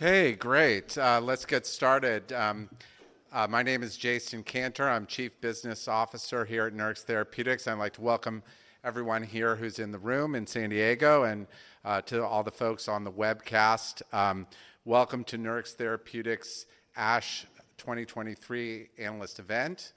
Okay, great. Let's get started. My name is Jason Kantor. I'm Chief Business Officer here at Nurix Therapeutics. I'd like to welcome everyone here who's in the room in San Diego and to all the folks on the webcast. Welcome to Nurix Therapeutics ASH 2023 Analyst Event.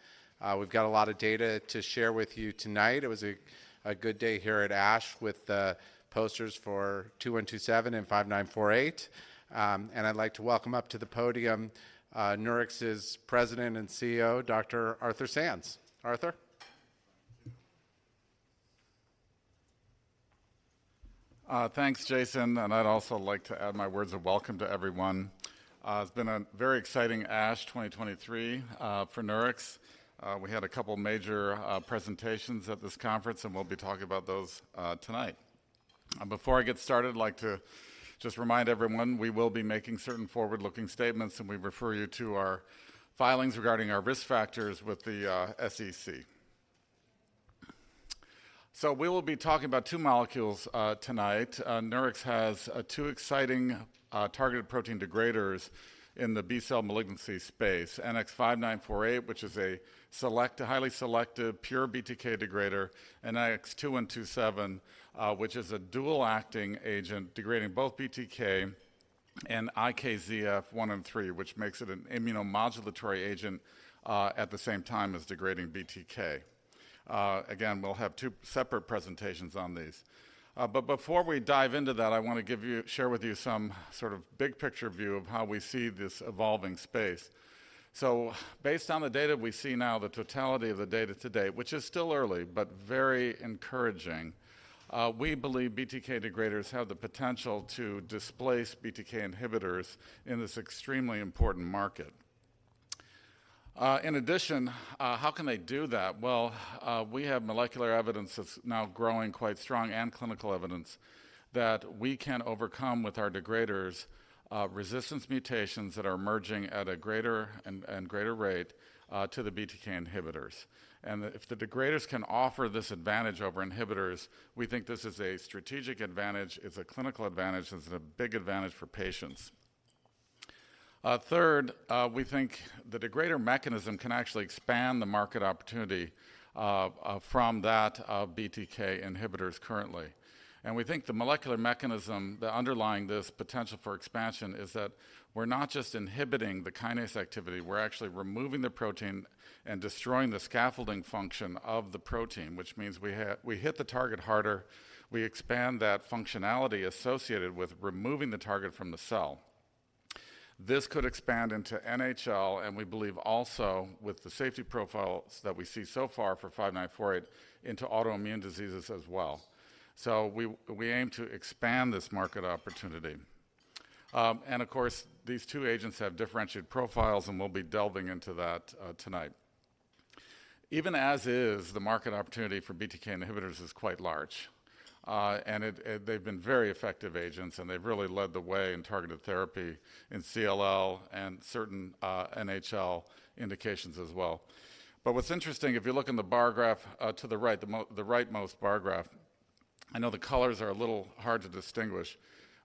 We've got a lot of data to share with you tonight. It was a good day here at ASH with the posters for 2127 and 5948. And I'd like to welcome up to the podium, Nurix's President and CEO, Dr. Arthur Sands. Arthur? Thanks, Jason, and I'd also like to add my words of welcome to everyone. It's been a very exciting ASH 2023 for Nurix. We had a couple major presentations at this conference, and we'll be talking about those tonight. Before I get started, I'd like to just remind everyone, we will be making certain forward-looking statements, and we refer you to our filings regarding our risk factors with the SEC. We will be talking about two molecules tonight. Nurix has two exciting targeted protein degraders in the B-cell malignancy space, NX-5948, which is a highly selective, pure BTK degrader, and NX-2127, which is a dual-acting agent, degrading both BTK and IKZF1 and 3, which makes it an immunomodulatory agent at the same time as degrading BTK. Again, we'll have two separate presentations on these. But before we dive into that, I want to share with you some sort of big-picture view of how we see this evolving space. So based on the data we see now, the totality of the data to date, which is still early but very encouraging, we believe BTK degraders have the potential to displace BTK inhibitors in this extremely important market. In addition, how can they do that? Well, we have molecular evidence that's now growing quite strong and clinical evidence that we can overcome with our degraders, resistance mutations that are emerging at a greater and greater rate to the BTK inhibitors. If the degraders can offer this ADVantage over inhibitors, we think this is a strategic ADVantage, it's a clinical ADVantage, this is a big ADVantage for patients. Third, we think the degrader mechanism can actually expand the market opportunity from that of BTK inhibitors currently. And we think the molecular mechanism, the underlying this potential for expansion, is that we're not just inhibiting the kinase activity, we're actually removing the protein and destroying the scaffolding function of the protein, which means we hit the target harder. We expand that functionality associated with removing the target from the cell. This could expand into NHL, and we believe also with the safety profiles that we see so far for NX-5948, into autoimmune diseases as well. So we aim to expand this market opportunity. And of course, these two agents have differentiated profiles, and we'll be delving into that tonight. Even as is, the market opportunity for BTK inhibitors is quite large. And it, they've been very effective agents, and they've really led the way in targeted therapy in CLL and certain NHL indications as well. But what's interesting, if you look in the bar graph to the right, the rightmost bar graph, I know the colors are a little hard to distinguish,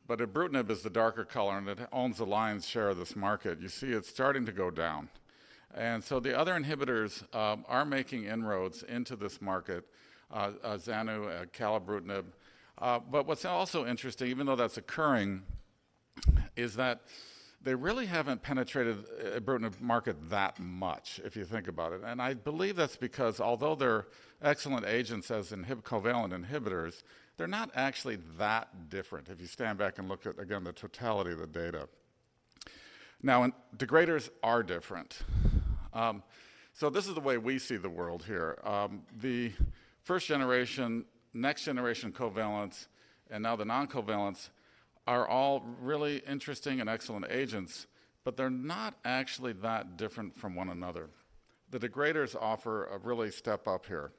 but ibrutinib is the darker color, and it owns the lion's share of this market. You see it's starting to go down. The other inhibitors are making inroads into this market, zanubrutinib, acalabrutinib. But what's also interesting, even though that's occurring, is that they really haven't penetrated ibrutinib market that much, if you think about it. And I believe that's because although they're excellent agents as covalent inhibitors, they're not actually that different if you stand back and look at, again, the totality of the data. Now, degraders are different. So this is the way we see the world here. The first generation, next generation covalents, and now the non-covalents are all really interesting and excellent agents, but they're not actually that different from one another. The degraders offer a really step up here.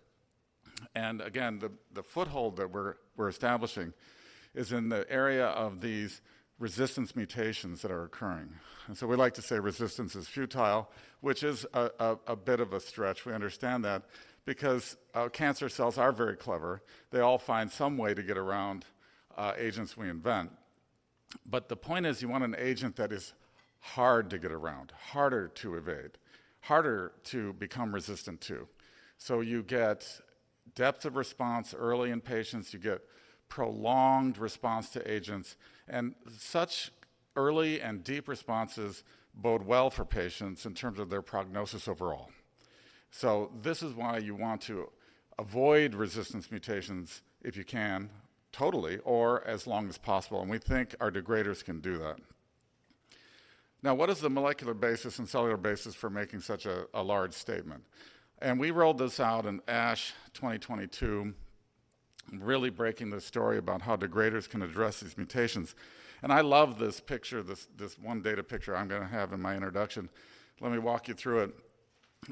And again, the foothold that we're establishing is in the area of these resistance mutations that are occurring. And so we like to say resistance is futile, which is a bit of a stretch. We understand that because cancer cells are very clever, they all find some way to get around agents we invent. But the point is, you want an agent that is hard to get around, harder to evade, harder to become resistant to. So you get depth of response early in patients, you get prolonged response to agents, and such early and deep responses bode well for patients in terms of their prognosis overall. So this is why you want to avoid resistance mutations, if you can, totally or as long as possible, and we think our degraders can do that. Now, what is the molecular basis and cellular basis for making such a large statement? We rolled this out in ASH 2022, really breaking the story about how degraders can address these mutations. I love this picture, this, this one data picture I'm going to have in my introduction. Let me walk you through it.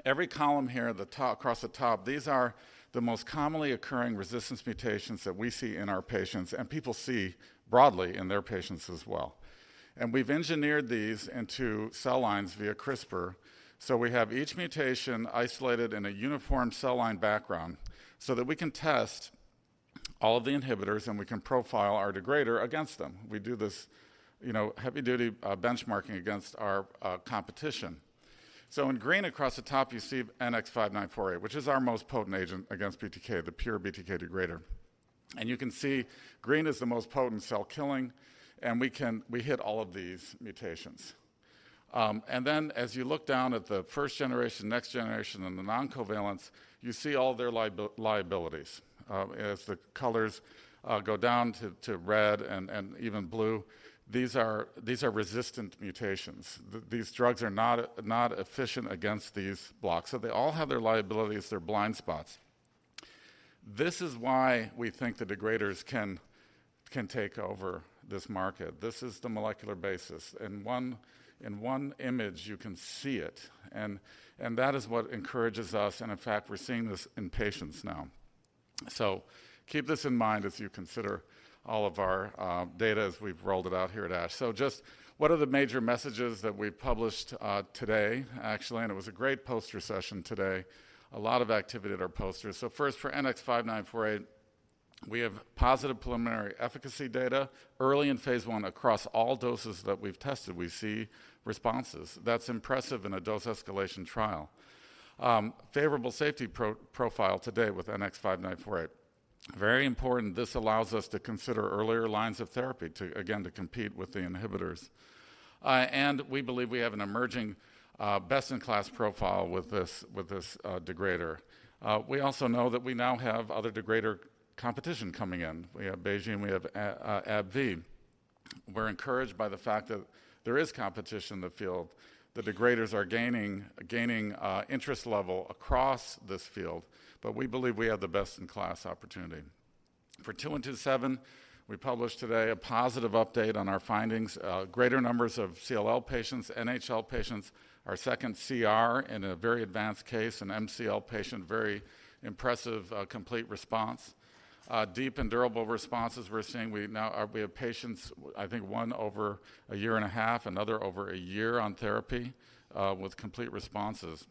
Every column here, the top, across the top, these are the most commonly occurring resistance mutations that we see in our patients, and people see broadly in their patients as well. We've engineered these into cell lines via CRISPR, so we have each mutation isolated in a uniform cell line background so that we can test all of the inhibitors, and we can profile our degrader against them. We do this, you know, heavy-duty benchmarking against our competition. So in green across the top, you see NX-5948, which is our most potent agent against BTK, the pure BTK degrader. You can see green is the most potent cell killing, and we hit all of these mutations. Then as you look down at the first generation, next generation, and the non-covalents, you see all their liabilities. As the colors go down to red and even blue, these are resistant mutations. These drugs are not efficient against these blocks. So they all have their liabilities, their blind spots. This is why we think the degraders can take over this market. This is the molecular basis. In one image, you can see it, and that is what encourages us, and in fact, we're seeing this in patients now. So keep this in mind as you consider all of our data as we've rolled it out here at ASH. So just what are the major messages that we published today? Actually, it was a great poster session today, a lot of activity at our posters. So first, for NX-5948, we have positive preliminary efficacy data early in phase 1. Across all doses that we've tested, we see responses. That's impressive in a dose-escalation trial. Favorable safety profile today with NX-5948. Very important, this allows us to consider earlier lines of therapy to, again, to compete with the inhibitors. And we believe we have an emerging best-in-class profile with this degrader. We also know that we now have other degrader competition coming in. We have BeiGene, we have AbbVie. We're encouraged by the fact that there is competition in the field, that degraders are gaining interest level across this field, but we believe we have the best-in-class opportunity. For NX-2127, we published today a positive update on our findings, greater numbers of CLL patients, NHL patients, our second CR in a very advanced case, an MCL patient, very impressive, complete response. Deep and durable responses we're seeing. We now have patients, I think one over a year and a half, another over a year on therapy, with complete responses.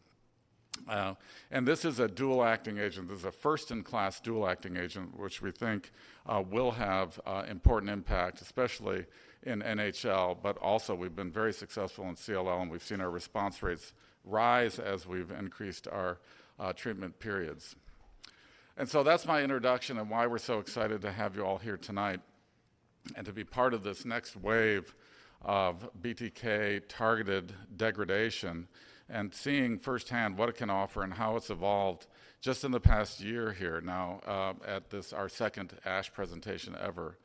And this is a dual-acting agent. This is a first-in-class dual-acting agent, which we think will have important impact, especially in NHL, but also we've been very successful in CLL, and we've seen our response rates rise as we've increased our treatment periods. That's my introduction and why we're so excited to have you all here tonight and to be part of this next wave of BTK-targeted degradation and seeing firsthand what it can offer and how it's evolved just in the past year here now at this, our second ASH presentation ever.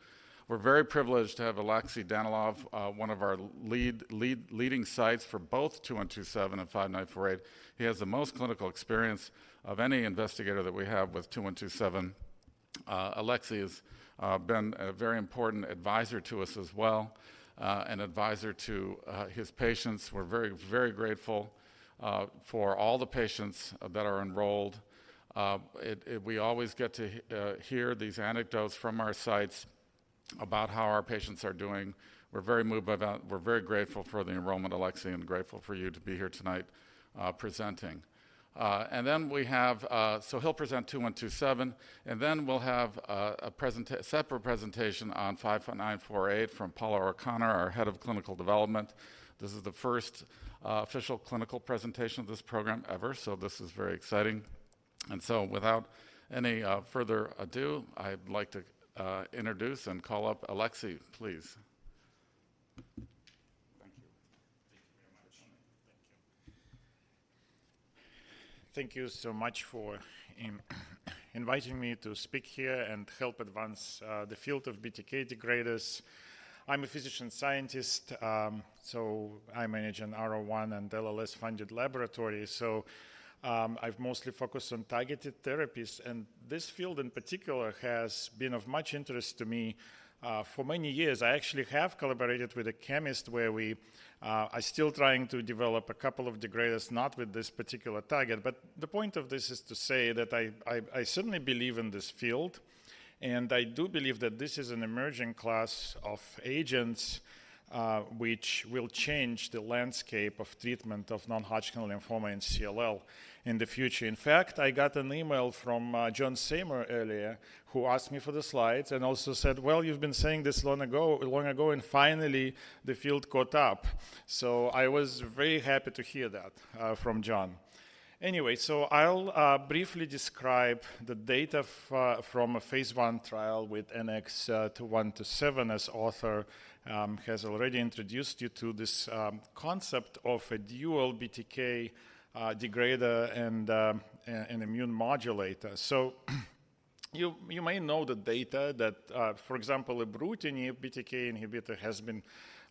We're very privileged to have Alexey Danilov, one of our leading sites for both 2127 and 5948. He has the most clinical experience of any investigator that we have with 2127. Alexey has been a very important advisor to us as well, an advisor to his patients. We're very, very grateful for all the patients that are enrolled. We always get to hear these anecdotes from our sites about how our patients are doing. We're very moved by that. We're very grateful for the enrollment, Alexey, and grateful for you to be here tonight, presenting. So he'll present 2127, and then we'll have a separate presentation on 5948 from Paula O'Connor, our head of clinical development. This is the first official clinical presentation of this program ever, so this is very exciting. Without any further ado, I'd like to introduce and call up Alexey, please. Thank you. Thank you very much. Thank you. Thank you so much for inviting me to speak here and help advance the field of BTK degraders. I'm a physician scientist, so I manage an R01 and LLS-funded laboratory. So, I've mostly focused on targeted therapies, and this field, in particular, has been of much interest to me for many years. I actually have collaborated with a chemist where we are still trying to develop a couple of degraders, not with this particular target. But the point of this is to say that I certainly believe in this field, and I do believe that this is an emerging class of agents which will change the landscape of treatment of non-Hodgkin lymphoma and CLL in the future. In fact, I got an email from John Seymour earlier, who asked me for the slides and also said, "Well, you've been saying this long ago, long ago, and finally, the field caught up." So I was very happy to hear that from John. Anyway, so I'll briefly describe the data from a phase 1 trial with NX-2127. As Arthur has already introduced you to this concept of a dual BTK degrader and immune modulator. So you may know the data that, for example, ibrutinib BTK inhibitor has been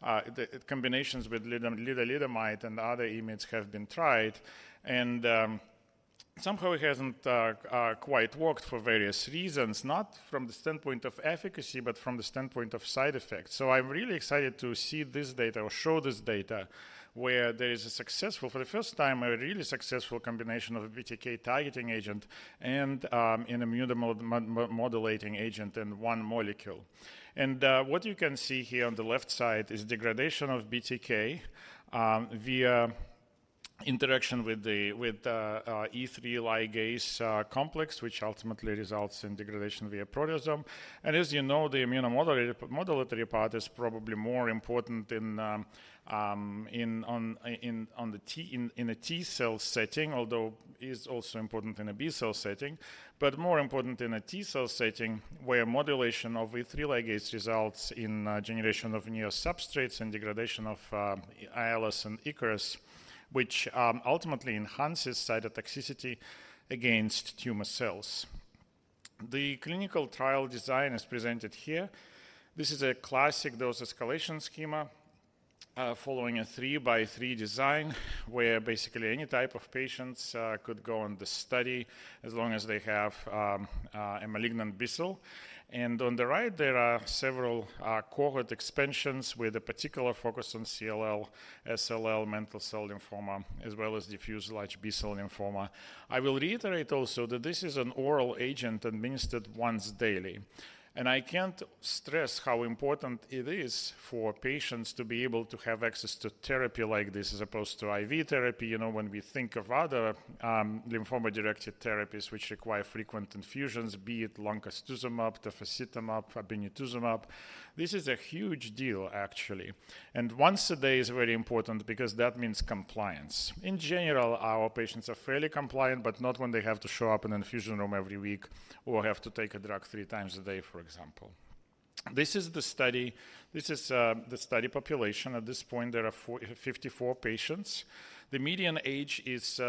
the combinations with lenalidomide and other IMIDs have been tried, and somehow it hasn't quite worked for various reasons, not from the standpoint of efficacy, but from the standpoint of side effects. So I'm really excited to see this data or show this data, where there is a successful—for the first time, a really successful combination of a BTK-targeting agent and an immunomodulating agent in one molecule. And what you can see here on the left side is degradation of BTK via interaction with the E3 ligase complex, which ultimately results in degradation via proteasome. And as you know, the immunomodulatory part is probably more important in a T-cell setting, although it's also important in a B-cell setting. But more important in a T-cell setting, where modulation of E3 ligase results in generation of new substrates and degradation of Aiolos and Ikaros, which ultimately enhances cytotoxicity against tumor cells. The clinical trial design is presented here. This is a classic dose escalation schema, following a 3-by-3 design, where basically any type of patients could go on the study as long as they have a malignant B-cell. And on the right, there are several cohort expansions with a particular focus on CLL, SLL, mantle cell lymphoma, as well as diffuse large B-cell lymphoma. I will reiterate also that this is an oral agent administered once daily, and I can't stress how important it is for patients to be able to have access to therapy like this, as opposed to IV therapy. You know, when we think of other lymphoma-directed therapies which require frequent infusions, be it loncastuximab, tafasitamab, obinutuzumab, this is a huge deal, actually. And once a day is very important because that means compliance. In general, our patients are fairly compliant, but not when they have to show up in an infusion room every week or have to take a drug three times a day, for example. This is the study population. At this point, there are 54 patients. The median age is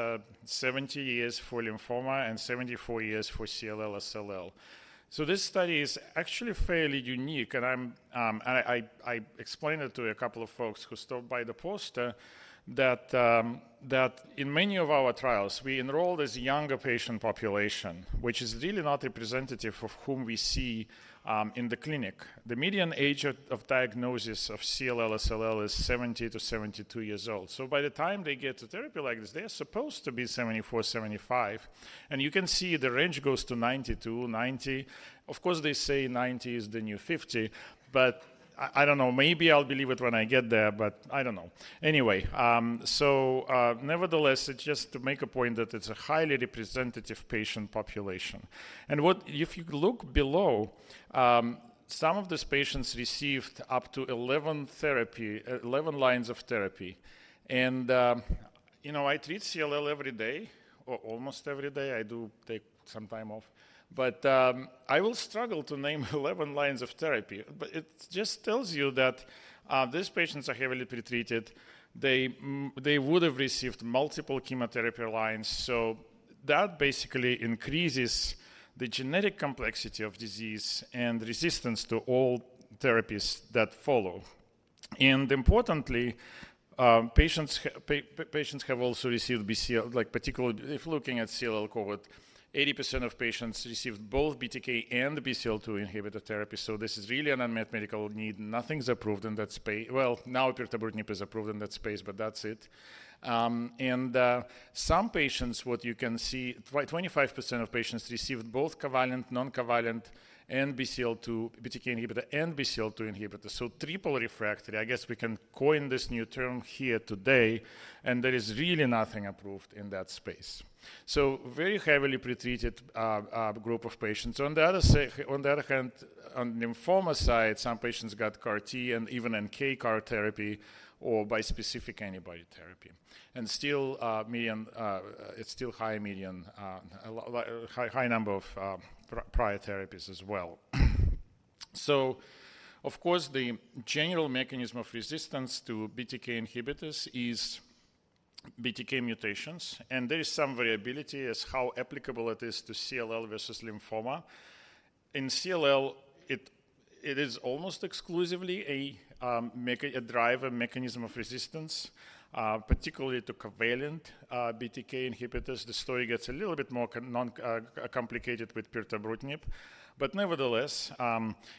70 years for lymphoma and 74 years for CLL/SLL. So this study is actually fairly unique, and I explained it to a couple of folks who stopped by the poster that in many of our trials, we enroll this younger patient population, which is really not representative of whom we see in the clinic. The median age at, of diagnosis of CLL/SLL is 70-72 years old. By the time they get to therapy like this, they're supposed to be 74, 75, and you can see the range goes to 92, 90. Of course, they say 90 is the new 50, but I, I don't know. Maybe I'll believe it when I get there, but I don't know. Anyway, nevertheless, it's just to make a point that it's a highly representative patient population. And what if you look below, some of these patients received up to 11 lines of therapy. And, you know, I treat CLL every day or almost every day. I do take some time off, but I will struggle to name 11 lines of therapy. But it just tells you that these patients are heavily pretreated. They would have received multiple chemotherapy lines, so that basically increases the genetic complexity of disease and resistance to all therapies that follow. And importantly, patients have also received BCL-2, like, particularly if looking at CLL cohort, 80% of patients received both BTK and BCL-2 inhibitor therapy, so this is really an unmet medical need. Nothing's approved in that space. Well, now pirtobrutinib is approved in that space, but that's it. And some patients, what you can see, 25% of patients received both covalent, non-covalent, and BCL-2, BTK inhibitor and BCL-2 inhibitor, so triple refractory. I guess we can coin this new term here today, and there is really nothing approved in that space. So very heavily pretreated group of patients. On the other hand, on lymphoma side, some patients got CAR T and even NK CAR therapy or bispecific antibody therapy, and still, it's still high median, a high number of prior therapies as well. So of course, the general mechanism of resistance to BTK inhibitors is BTK mutations, and there is some variability as how applicable it is to CLL versus lymphoma. In CLL, it is almost exclusively a driver mechanism of resistance, particularly to covalent BTK inhibitors. The story gets a little bit more complicated with pirtobrutinib. But nevertheless,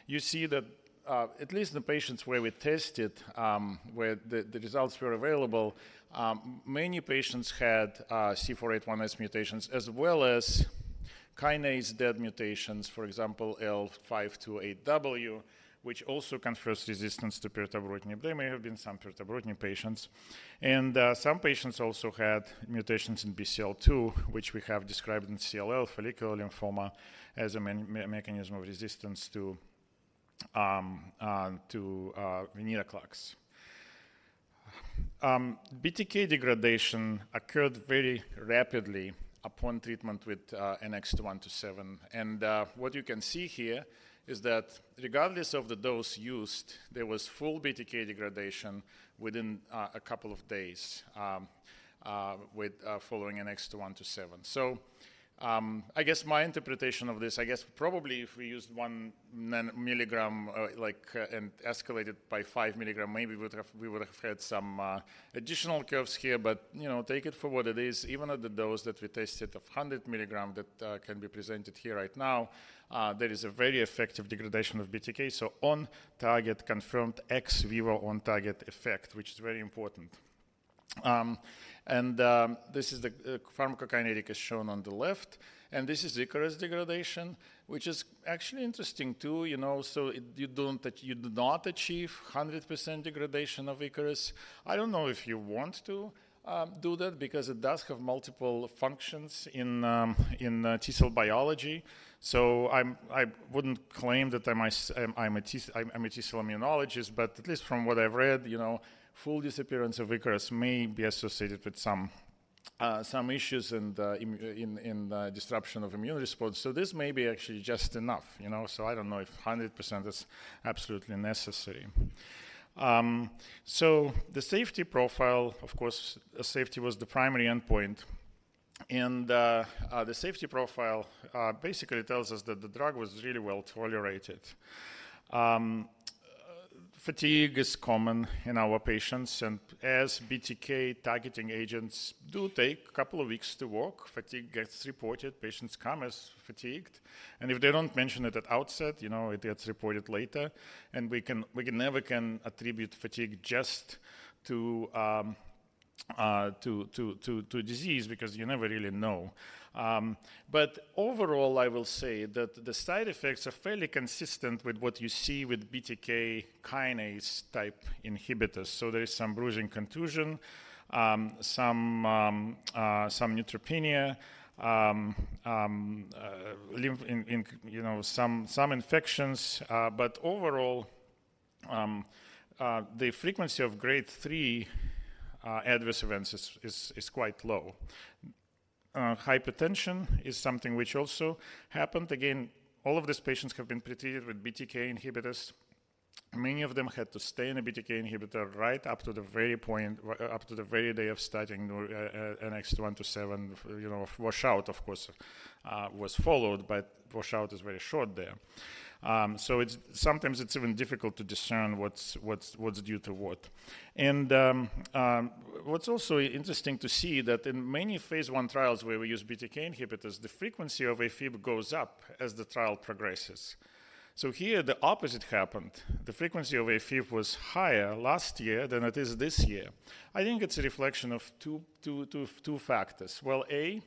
you see that at least in the patients where we tested, where the results were available, many patients had C481S mutations, as well as kinase dead mutations, for example, L528W, which also confers resistance to pirtobrutinib. There may have been some pirtobrutinib patients. Some patients also had mutations in BCL-2, which we have described in CLL follicular lymphoma as a mechanism of resistance to venetoclax. BTK degradation occurred very rapidly upon treatment with NX-2127. What you can see here is that regardless of the dose used, there was full BTK degradation within a couple of days following NX-2127. So, I guess my interpretation of this, I guess probably if we used 1 milligram and escalated by 5 milligram, maybe we would have, we would have had some additional curves here. But, you know, take it for what it is. Even at the dose that we tested of 100 milligram that can be presented here right now, there is a very effective degradation of BTK, so on target, confirmed ex vivo on target effect, which is very important. And this is the pharmacokinetics shown on the left, and this is Ikaros degradation, which is actually interesting too, you know. So you don't, you do not achieve 100% degradation of Ikaros. I don't know if you want to do that because it does have multiple functions in T-cell biology. So I wouldn't claim that I'm a T-cell immunologist, but at least from what I've read, you know, full disappearance of Ikaros may be associated with some issues in the disruption of immune response. So this may be actually just enough, you know. So I don't know if 100% is absolutely necessary. So the safety profile, of course, safety was the primary endpoint, and the safety profile basically tells us that the drug was really well-tolerated. Fatigue is common in our patients, and as BTK targeting agents do take a couple of weeks to work, fatigue gets reported. Patients come as fatigued, and if they don't mention it at outset, you know, it gets reported later, and we can never attribute fatigue just to disease because you never really know. But overall, I will say that the side effects are fairly consistent with what you see with BTK kinase-type inhibitors. So there is some bruising contusion, some neutropenia, lymphopenia, you know, some infections. But overall, the frequency of grade three ADVerse events is quite low. Hypotension is something which also happened. Again, all of these patients have been treated with BTK inhibitors. Many of them had to stay in a BTK inhibitor right up to the very point, up to the very day of starting NX-1607, you know, wash out, of course, was followed, but wash out is very short there. So it's sometimes even difficult to discern what's due to what. And what's also interesting to see that in many phase 1 trials where we use BTK inhibitors, the frequency of AFib goes up as the trial progresses. So here, the opposite happened. The frequency of AFib was higher last year than it is this year. I think it's a reflection of two factors. Well, A,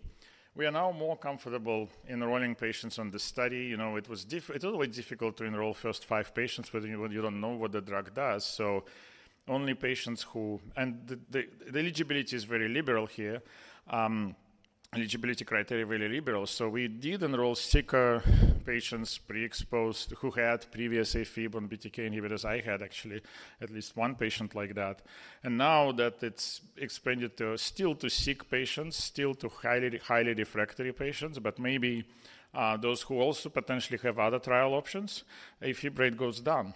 we are now more comfortable in enrolling patients on the study. You know, it was difficult—it's always difficult to enroll first 5 patients when you don't know what the drug does. So only patients, and the eligibility is very liberal here, eligibility criteria, very liberal. So we did enroll sicker patients, pre-exposed, who had previous AFib on BTK inhibitors. I had actually at least one patient like that. And now that it's expanded to still to sick patients, still to highly, highly refractory patients, but maybe those who also potentially have other trial options, AFib rate goes down.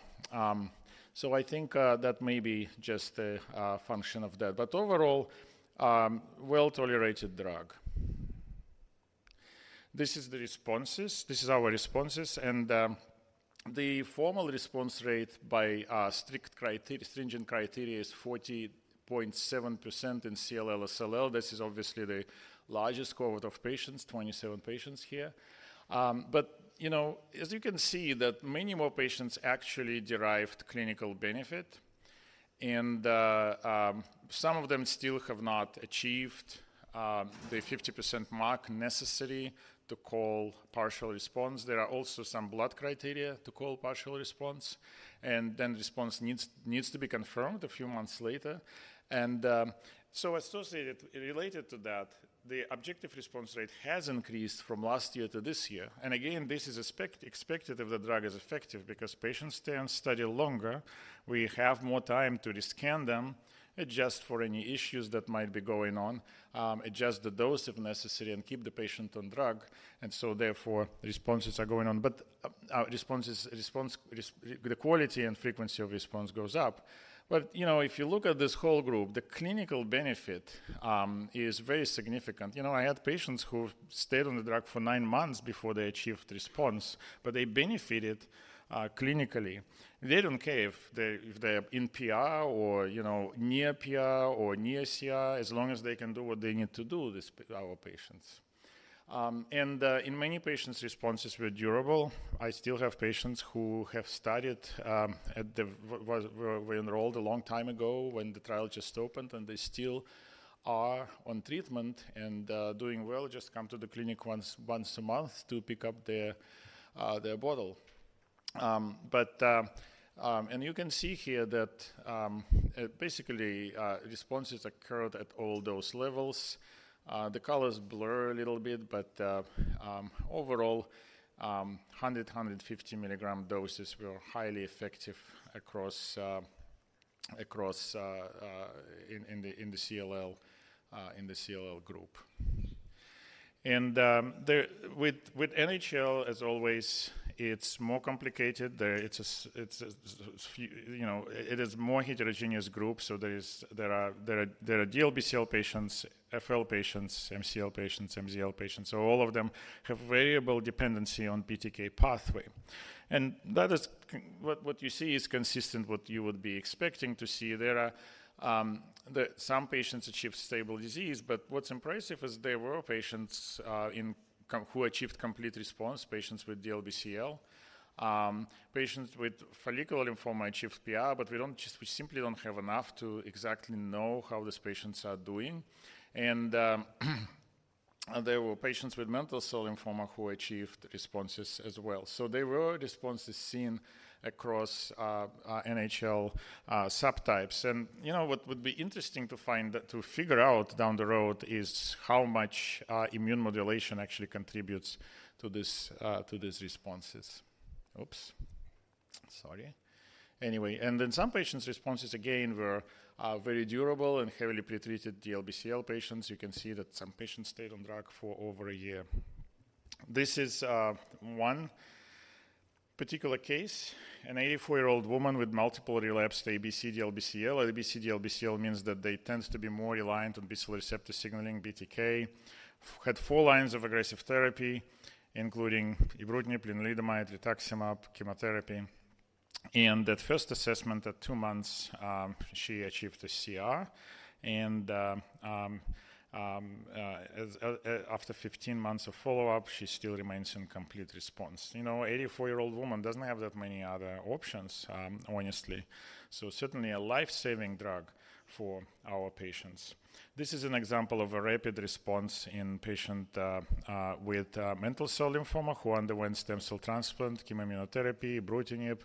So I think that may be just a function of that, but overall, well-tolerated drug. This is the responses. This is our responses, and the formal response rate by strict criteria—stringent criteria is 40.7% in CLL/SLL. This is obviously the largest cohort of patients, 27 patients here. But, you know, as you can see that many more patients actually derived clinical benefit, and some of them still have not achieved the 50% mark necessary to call partial response. There are also some blood criteria to call partial response, and then the response needs to be confirmed a few months later. And so associated related to that, the objective response rate has increased from last year to this year. And again, this is expected if the drug is effective because patients stay on study longer. We have more time to rescan them, adjust for any issues that might be going on, adjust the dose if necessary, and keep the patient on drug. And so therefore, responses are going on. But, the quality and frequency of response goes up. But, you know, if you look at this whole group, the clinical benefit is very significant. You know, I had patients who stayed on the drug for nine months before they achieved response, but they benefited clinically. They don't care if they're in PR or, you know, near PR or near CR, as long as they can do what they need to do, our patients. In many patients, responses were durable. I still have patients who were enrolled a long time ago when the trial just opened, and they still are on treatment and doing well, just come to the clinic once a month to pick up their bottle. You can see here that basically responses occurred at all those levels. The colors blur a little bit, but overall, 150 milligram doses were highly effective across in the CLL group. And with NHL, as always, it's more complicated. There, it's a, you know, it is more heterogeneous group, so there are DLBCL patients, FL patients, MCL patients, MZL patients. So all of them have variable dependency on BTK pathway. And that is what you see is consistent what you would be expecting to see. There are some patients achieve stable disease, but what's impressive is there were patients who achieved complete response, patients with DLBCL, patients with Follicular Lymphoma achieved PR, but we simply don't have enough to exactly know how these patients are doing. And there were patients with Mantle Cell Lymphoma who achieved responses as well. So there were responses seen across NHL subtypes. And you know, what would be interesting to figure out down the road is how much immune modulation actually contributes to these responses. Oops, sorry. Anyway, and in some patients, responses again were very durable. In heavily pretreated DLBCL patients, you can see that some patients stayed on drug for over a year. This is one particular case: an 84-year-old woman with multiple relapsed ABC DLBCL. ABC DLBCL means that they tends to be more reliant on B-cell receptor signaling. BTK had 4 lines of aggressive therapy, including ibrutinib, lenalidomide, rituximab, chemotherapy. And at first assessment at 2 months, she achieved a CR, and after 15 months of follow-up, she still remains in complete response. You know, 84-year-old woman doesn't have that many other options, honestly. So certainly a life-saving drug for our patients. This is an example of a rapid response in patient with mantle cell lymphoma, who underwent stem cell transplant, chemoimmunotherapy, ibrutinib,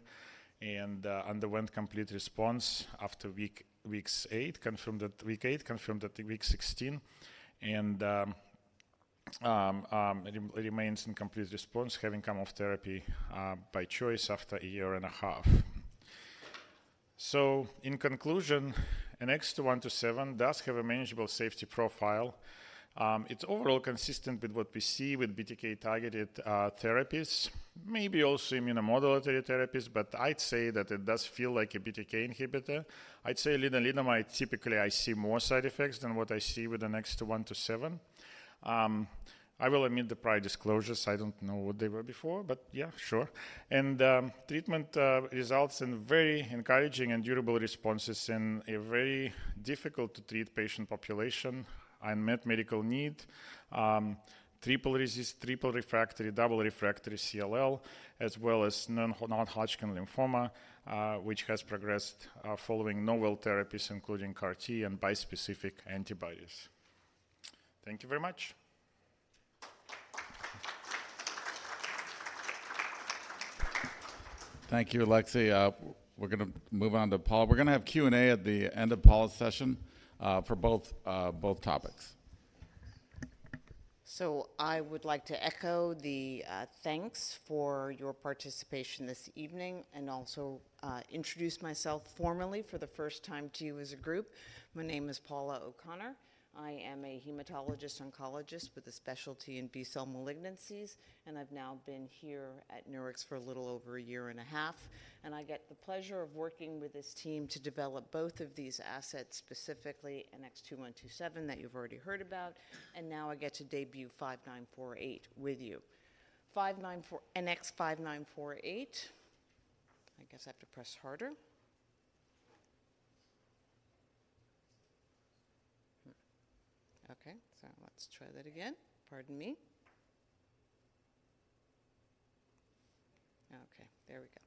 and underwent complete response after week 8, confirmed at week 8, confirmed at week 16, and it remains in complete response, having come off therapy by choice after a year and a half. So in conclusion, NX-2127 does have a manageable safety profile. It's overall consistent with what we see with BTK-targeted therapies, maybe also immunomodulatory therapies, but I'd say that it does feel like a BTK inhibitor. I'd say lenalidomide, typically, I see more side effects than what I see with the NX-2127. I will admit the prior disclosures. I don't know what they were before, but yeah, sure. Treatment results in very encouraging and durable responses in a very difficult-to-treat patient population. Unmet medical need, triple resistant, triple refractory, double refractory CLL, as well as non-Hodgkin lymphoma, which has progressed following novel therapies, including CAR-T and bispecific antibodies. Thank you very much. Thank you, Alexey. We're gonna move on to Paula. We're gonna have Q&A at the end of Paula's session, for both topics. So I would like to echo the thanks for your participation this evening and also introduce myself formally for the first time to you as a group. My name is Paula O'Connor. I am a hematologist oncologist with a specialty in B-cell malignancies, and I've now been here at Nurix for a little over a year and a half, and I get the pleasure of working with this team to develop both of these assets, specifically NX-2127 that you've already heard about, and now I get to debut 5948 with you. 5948, NX-5948. I guess I have to press harder. Hmm. Okay, so let's try that again. Pardon me. Okay, there we go.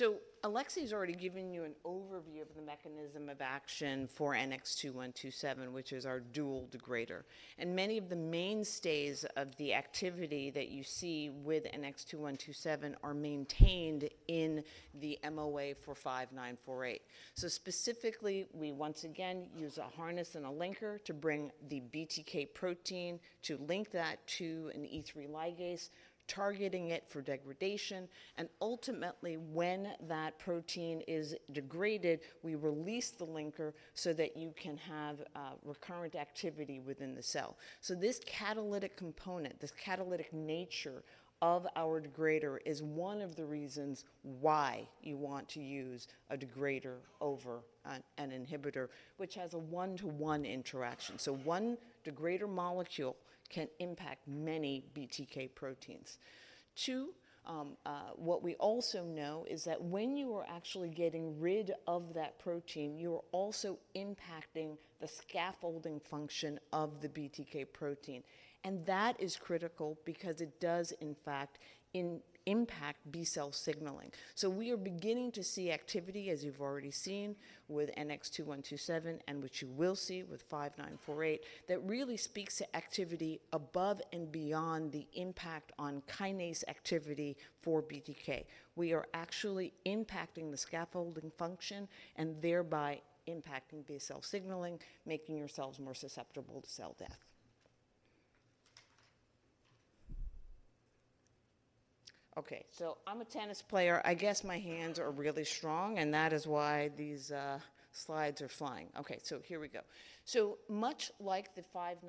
So Alexey's already given you an overview of the mechanism of action for NX-2127, which is our dual degrader, and many of the mainstays of the activity that you see with NX-2127 are maintained in the MOA for NX-5948. So specifically, we once again use a harness and a linker to bring the BTK protein to link that to an E3 ligase, targeting it for degradation. And ultimately, when that protein is degraded, we release the linker so that you can have recurrent activity within the cell. So this catalytic component, this catalytic nature of our degrader, is one of the reasons why you want to use a degrader over an inhibitor, which has a one-to-one interaction. So one degrader molecule can impact many BTK proteins. Too, what we also know is that when you are actually getting rid of that protein, you are also impacting the scaffolding function of the BTK protein, and that is critical because it does, in fact, impact B-cell signaling. So we are beginning to see activity, as you've already seen with NX-2127, and which you will see with NX-5948, that really speaks to activity above and beyond the impact on kinase activity for BTK. We are actually impacting the scaffolding function and thereby impacting B-cell signaling, making your cells more susceptible to cell death. Okay, so I'm a tennis player. I guess my hands are really strong, and that is why these slides are flying. Okay, so here we go. So much like the NX-5948,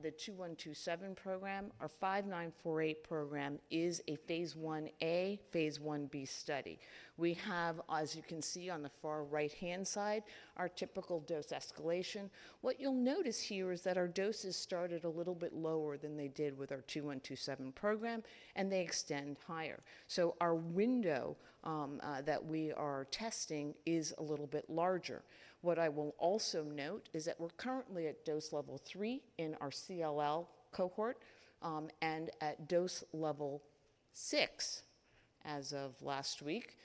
the NX-2127 program, our NX-5948 program is a phase Ia, phase Ib study. We have, as you can see on the far right-hand side, our typical dose escalation. What you'll notice here is that our doses started a little bit lower than they did with our NX-2127 program, and they extend higher. So our window that we are testing is a little bit larger. What I will also note is that we're currently at dose level three in our CLL cohort, and at dose level six as of last week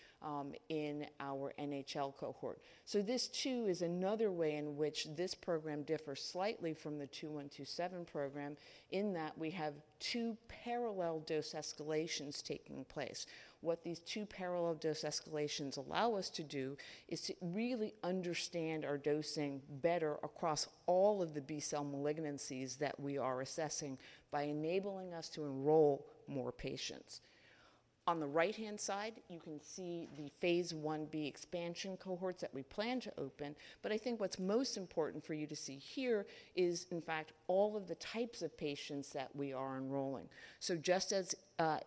in our NHL cohort. So this too is another way in which this program differs slightly from the NX-2127 program in that we have two parallel dose escalations taking place. What these two parallel dose escalations allow us to do is to really understand our dosing better across all of the B-cell malignancies that we are assessing by enabling us to enroll more patients. On the right-hand side, you can see the phase 1b expansion cohorts that we plan to open, but I think what's most important for you to see here is, in fact, all of the types of patients that we are enrolling. So just as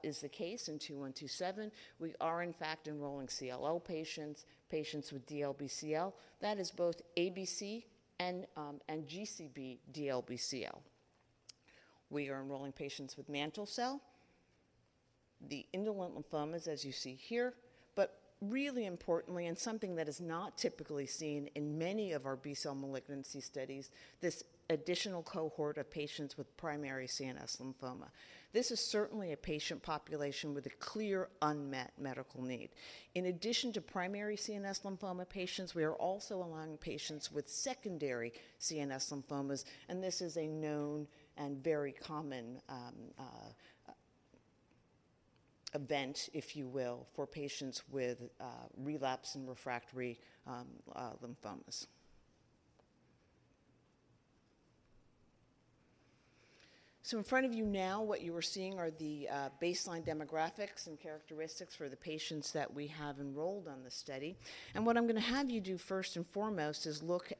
is the case in NX-2127, we are in fact enrolling CLL patients, patients with DLBCL, that is both ABC and GCB DLBCL. We are enrolling patients with mantle cell, the indolent lymphomas, as you see here, but really importantly, and something that is not typically seen in many of our B-cell malignancy studies, this additional cohort of patients with primary CNS lymphoma. This is certainly a patient population with a clear unmet medical need. In addition to primary CNS lymphoma patients, we are also allowing patients with secondary CNS lymphomas, and this is a known and very common event, if you will, for patients with relapse and refractory lymphomas. So in front of you now, what you are seeing are the baseline demographics and characteristics for the patients that we have enrolled on the study. What I'm going to have you do first and foremost is look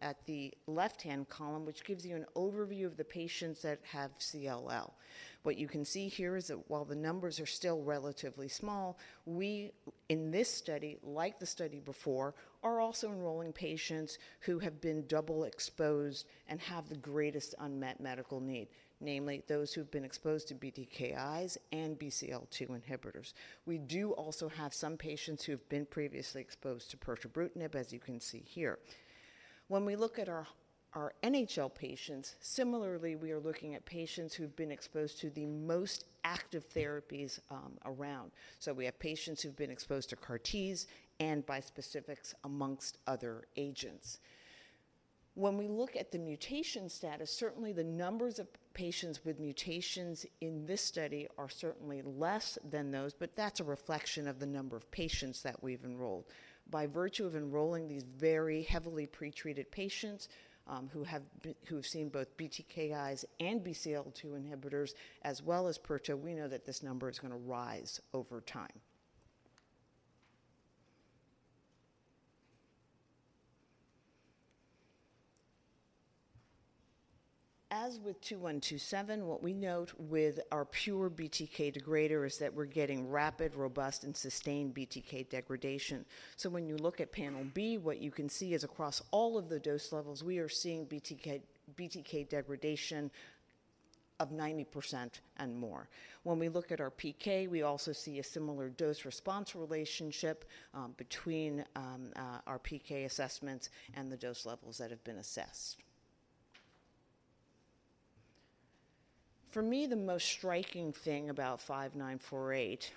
at the left-hand column, which gives you an overview of the patients that have CLL. What you can see here is that while the numbers are still relatively small, we, in this study, like the study before, are also enrolling patients who have been double exposed and have the greatest unmet medical need, namely, those who've been exposed to BTKIs and BCL-2 inhibitors. We do also have some patients who have been previously exposed to pirtobrutinib, as you can see here. When we look at our NHL patients, similarly, we are looking at patients who've been exposed to the most active therapies. So we have patients who've been exposed to CAR-Ts and bispecifics amongst other agents. When we look at the mutation status, certainly the numbers of patients with mutations in this study are certainly less than those, but that's a reflection of the number of patients that we've enrolled. By virtue of enrolling these very heavily pretreated patients, who have seen both BTKIs and BCL-2 inhibitors, as well as pirtobrutinib, we know that this number is going to rise over time. As with NX-2127, what we note with our pure BTK degrader is that we're getting rapid, robust, and sustained BTK degradation. So when you look at panel B, what you can see is across all of the dose levels, we are seeing BTK degradation of 90% and more. When we look at our PK, we also see a similar dose-response relationship between our PK assessments and the dose levels that have been assessed. For me, the most striking thing about NX-5948,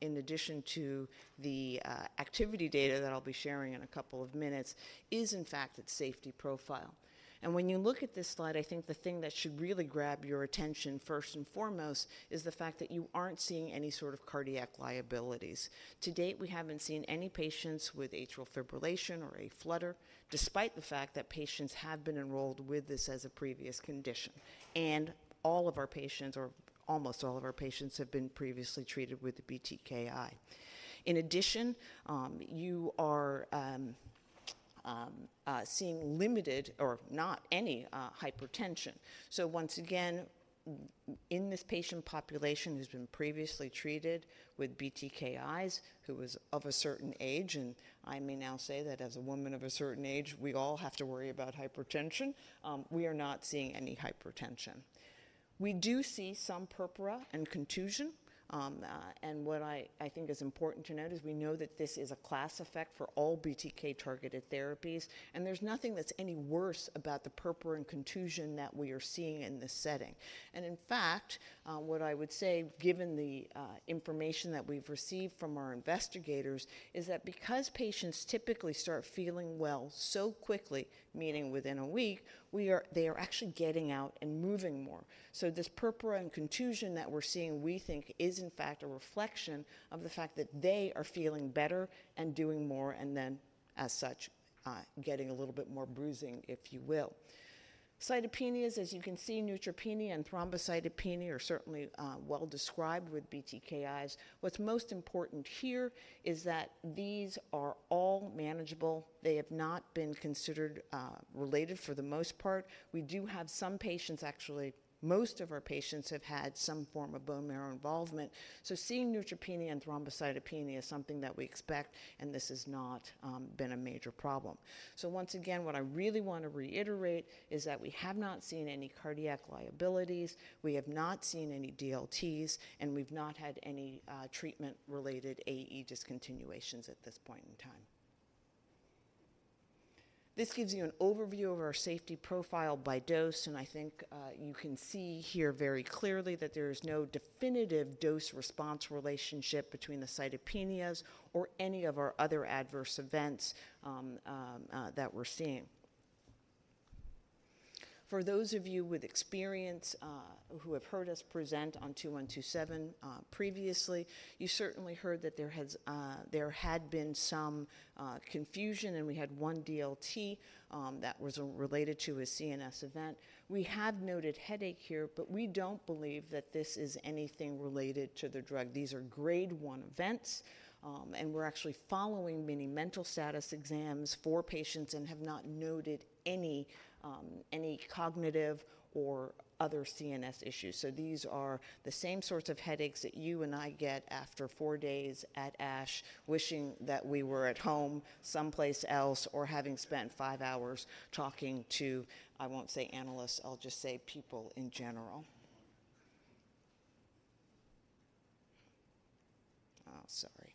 in addition to the activity data that I'll be sharing in a couple of minutes, is, in fact, its safety profile. And when you look at this slide, I think the thing that should really grab your attention, first and foremost, is the fact that you aren't seeing any sort of cardiac liabilities. To date, we haven't seen any patients with atrial fibrillation or A-flutter, despite the fact that patients have been enrolled with this as a previous condition. And all of our patients, or almost all of our patients, have been previously treated with the BTKI. In addition, you are seeing limited or not any hypertension. So once again, in this patient population who's been previously treated with BTKIs, who is of a certain age, and I may now say that as a woman of a certain age, we all have to worry about hypertension, we are not seeing any hypertension. We do see some purpura and contusion, and what I think is important to note is we know that this is a class effect for all BTK-targeted therapies, and there's nothing that's any worse about the purpura and contusion that we are seeing in this setting. And in fact, what I would say, given the information that we've received from our investigators, is that because patients typically start feeling well so quickly, meaning within a week, they are actually getting out and moving more. So this purpura and contusion that we're seeing, we think is, in fact, a reflection of the fact that they are feeling better and doing more, and then as such, getting a little bit more bruising, if you will. Cytopenias, as you can see, neutropenia and thrombocytopenia are certainly well described with BTKIs. What's most important here is that these are all manageable. They have not been considered related for the most part. We do have some patients, actually, most of our patients have had some form of bone marrow involvement. So seeing neutropenia and thrombocytopenia is something that we expect, and this has not been a major problem. So once again, what I really want to reiterate is that we have not seen any cardiac liabilities, we have not seen any DLTs, and we've not had any treatment-related AE discontinuations at this point in time. This gives you an overview of our safety profile by dose, and I think you can see here very clearly that there is no definitive dose-response relationship between the cytopenias or any of our other ADVerse events that we're seeing. For those of you with experience who have heard us present on 2127 previously, you certainly heard that there had been some confusion, and we had one DLT that was related to a CNS event. We have noted headache here, but we don't believe that this is anything related to the drug. These are grade 1 events, and we're actually following Mini-Mental Status Exams for patients and have not noted any, any cognitive or other CNS issues. So these are the same sorts of headaches that you and I get after 4 days at ASH, wishing that we were at home, someplace else, or having spent 5 hours talking to, I won't say analysts, I'll just say people in general. Oh, sorry.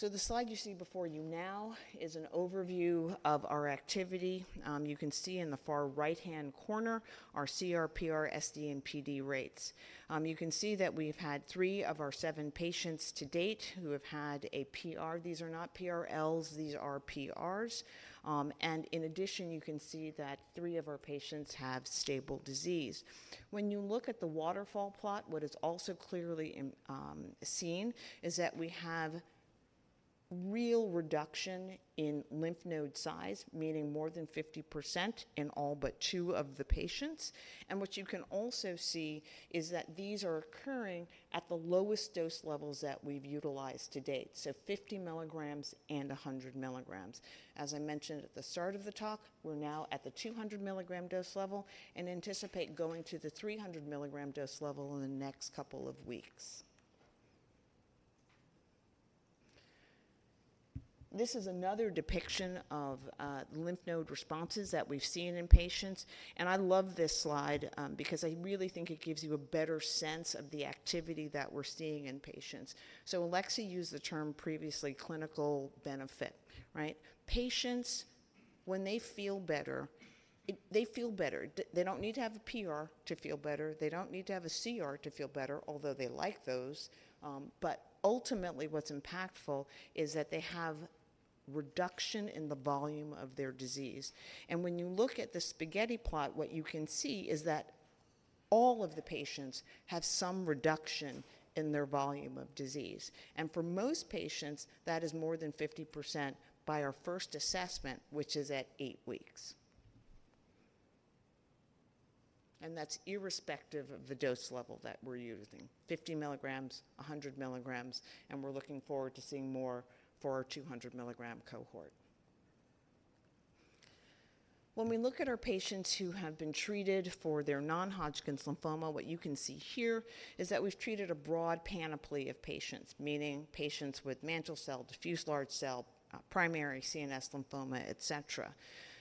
So the slide you see before you now is an overview of our activity. You can see in the far right-hand corner, our CR, PR, SD, and PD rates. You can see that we've had 3 of our 7 patients to date who have had a PR. These are not PRLs, these are PRs. And in addition, you can see that 3 of our patients have stable disease. When you look at the waterfall plot, what is also clearly seen is that we have real reduction in lymph node size, meaning more than 50% in all but two of the patients. What you can also see is that these are occurring at the lowest dose levels that we've utilized to date, so 50 milligrams and 100 milligrams. As I mentioned at the start of the talk, we're now at the 200 milligram dose level and anticipate going to the 300 milligram dose level in the next couple of weeks. This is another depiction of lymph node responses that we've seen in patients, and I love this slide, because I really think it gives you a better sense of the activity that we're seeing in patients. So Alexey used the term previously, "clinical benefit" right? Patients, when they feel better, they feel better. They don't need to have a PR to feel better. They don't need to have a CR to feel better, although they like those. But ultimately, what's impactful is that they have reduction in the volume of their disease. And when you look at the spaghetti plot, what you can see is that all of the patients have some reduction in their volume of disease. And for most patients, that is more than 50% by our first assessment, which is at 8 weeks. And that's irrespective of the dose level that we're using, 50 milligrams, 100 milligrams, and we're looking forward to seeing more for our 200 milligram cohort. When we look at our patients who have been treated for their non-Hodgkin lymphoma, what you can see here is that we've treated a broad panoply of patients, meaning patients with mantle cell, diffuse large B-cell, primary CNS lymphoma, et cetera.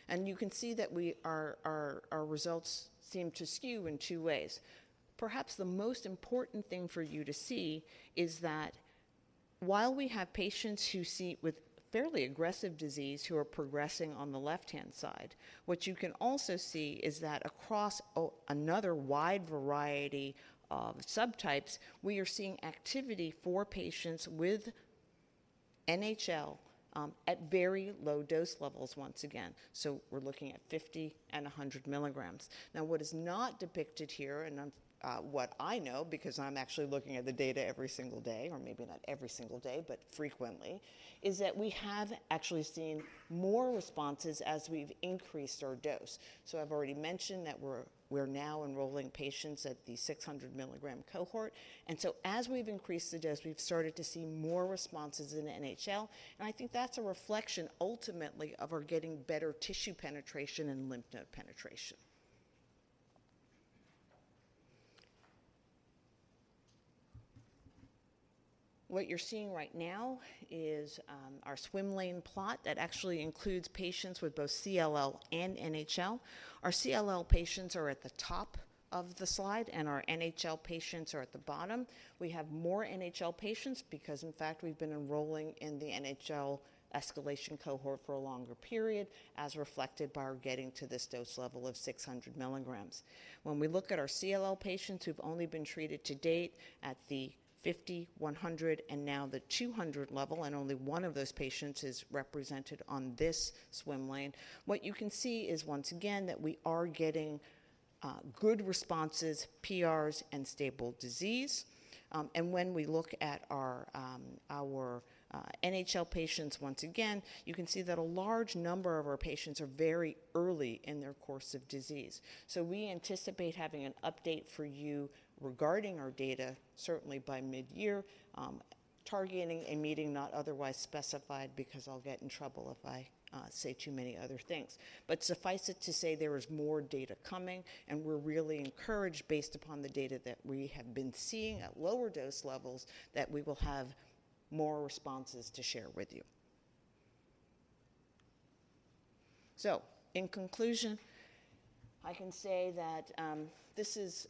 And you can see that our results seem to skew in two ways. Perhaps the most important thing for you to see is that while we have patients who see with fairly aggressive disease, who are progressing on the left-hand side, what you can also see is that across another wide variety of subtypes, we are seeing activity for patients with NHL at very low dose levels once again. So we're looking at 50 and 100 milligrams. Now, what is not depicted here and what I know, because I'm actually looking at the data every single day, or maybe not every single day, but frequently, is that we have actually seen more responses as we've increased our dose. So I've already mentioned that we're now enrolling patients at the 600 milligram cohort. And so as we've increased the dose, we've started to see more responses in the NHL, and I think that's a reflection, ultimately, of our getting better tissue penetration and lymph node penetration. What you're seeing right now is our swim lane plot that actually includes patients with both CLL and NHL. Our CLL patients are at the top of the slide, and our NHL patients are at the bottom. We have more NHL patients because, in fact, we've been enrolling in the NHL escalation cohort for a longer period, as reflected by our getting to this dose level of 600 milligrams. When we look at our CLL patients who've only been treated to date at the 50, 100, and now the 200 level, and only one of those patients is represented on this swim lane, what you can see is, once again, that we are getting good responses, PRs, and stable disease. And when we look at our NHL patients, once again, you can see that a large number of our patients are very early in their course of disease. So we anticipate having an update for you regarding our data, certainly by mid-year, targeting a meeting not otherwise specified, because I'll get in trouble if I say too many other things. But suffice it to say, there is more data coming, and we're really encouraged, based upon the data that we have been seeing at lower dose levels, that we will have more responses to share with you. So, in conclusion, I can say that, this is,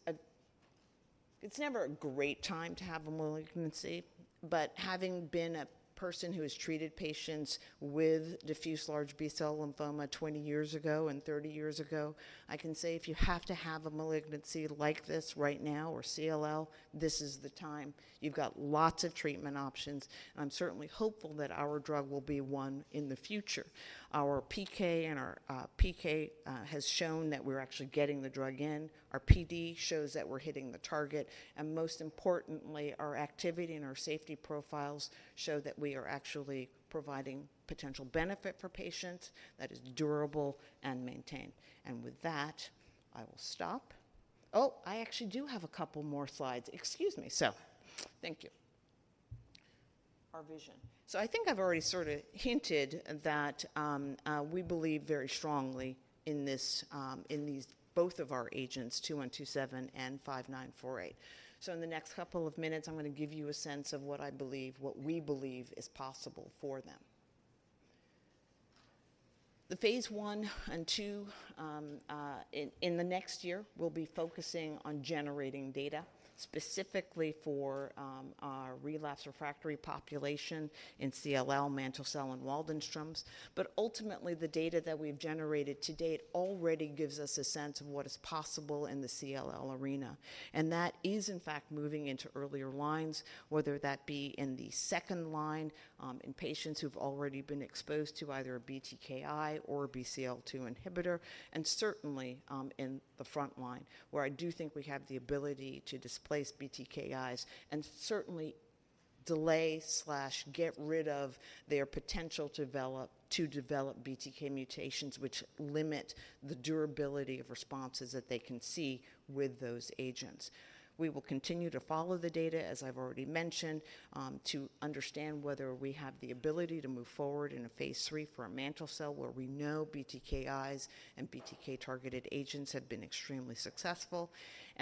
it's never a great time to have a malignancy, but having been a person who has treated patients with diffuse large B-cell lymphoma 20 years ago and 30 years ago, I can say if you have to have a malignancy like this right now, or CLL, this is the time. You've got lots of treatment options, and I'm certainly hopeful that our drug will be one in the future. Our PK and our PK has shown that we're actually getting the drug in. Our PD shows that we're hitting the target, and most importantly, our activity and our safety profiles show that we are actually providing potential benefit for patients that is durable and maintained. And with that, I will stop. Oh, I actually do have a couple more slides. Excuse me. So thank you. Our vision. So I think I've already sort of hinted that we believe very strongly in this, in these, both of our agents, 2127 and 5948. So in the next couple of minutes, I'm gonna give you a sense of what I believe, what we believe is possible for them. The phase I and II in the next year, we'll be focusing on generating data, specifically for our relapse refractory population in CLL, mantle cell, and Waldenström's. But ultimately, the data that we've generated to date already gives us a sense of what is possible in the CLL arena, and that is, in fact, moving into earlier lines, whether that be in the second line in patients who've already been exposed to either a BTKI or BCL-2 inhibitor, and certainly in the front line, where I do think we have the ability to displace BTKIs and certainly delay/get rid of their potential to develop BTK mutations, which limit the durability of responses that they can see with those agents. We will continue to follow the data, as I've already mentioned, to understand whether we have the ability to move forward in a phase III for a mantle cell, where we know BTKIs and BTK-targeted agents have been extremely successful.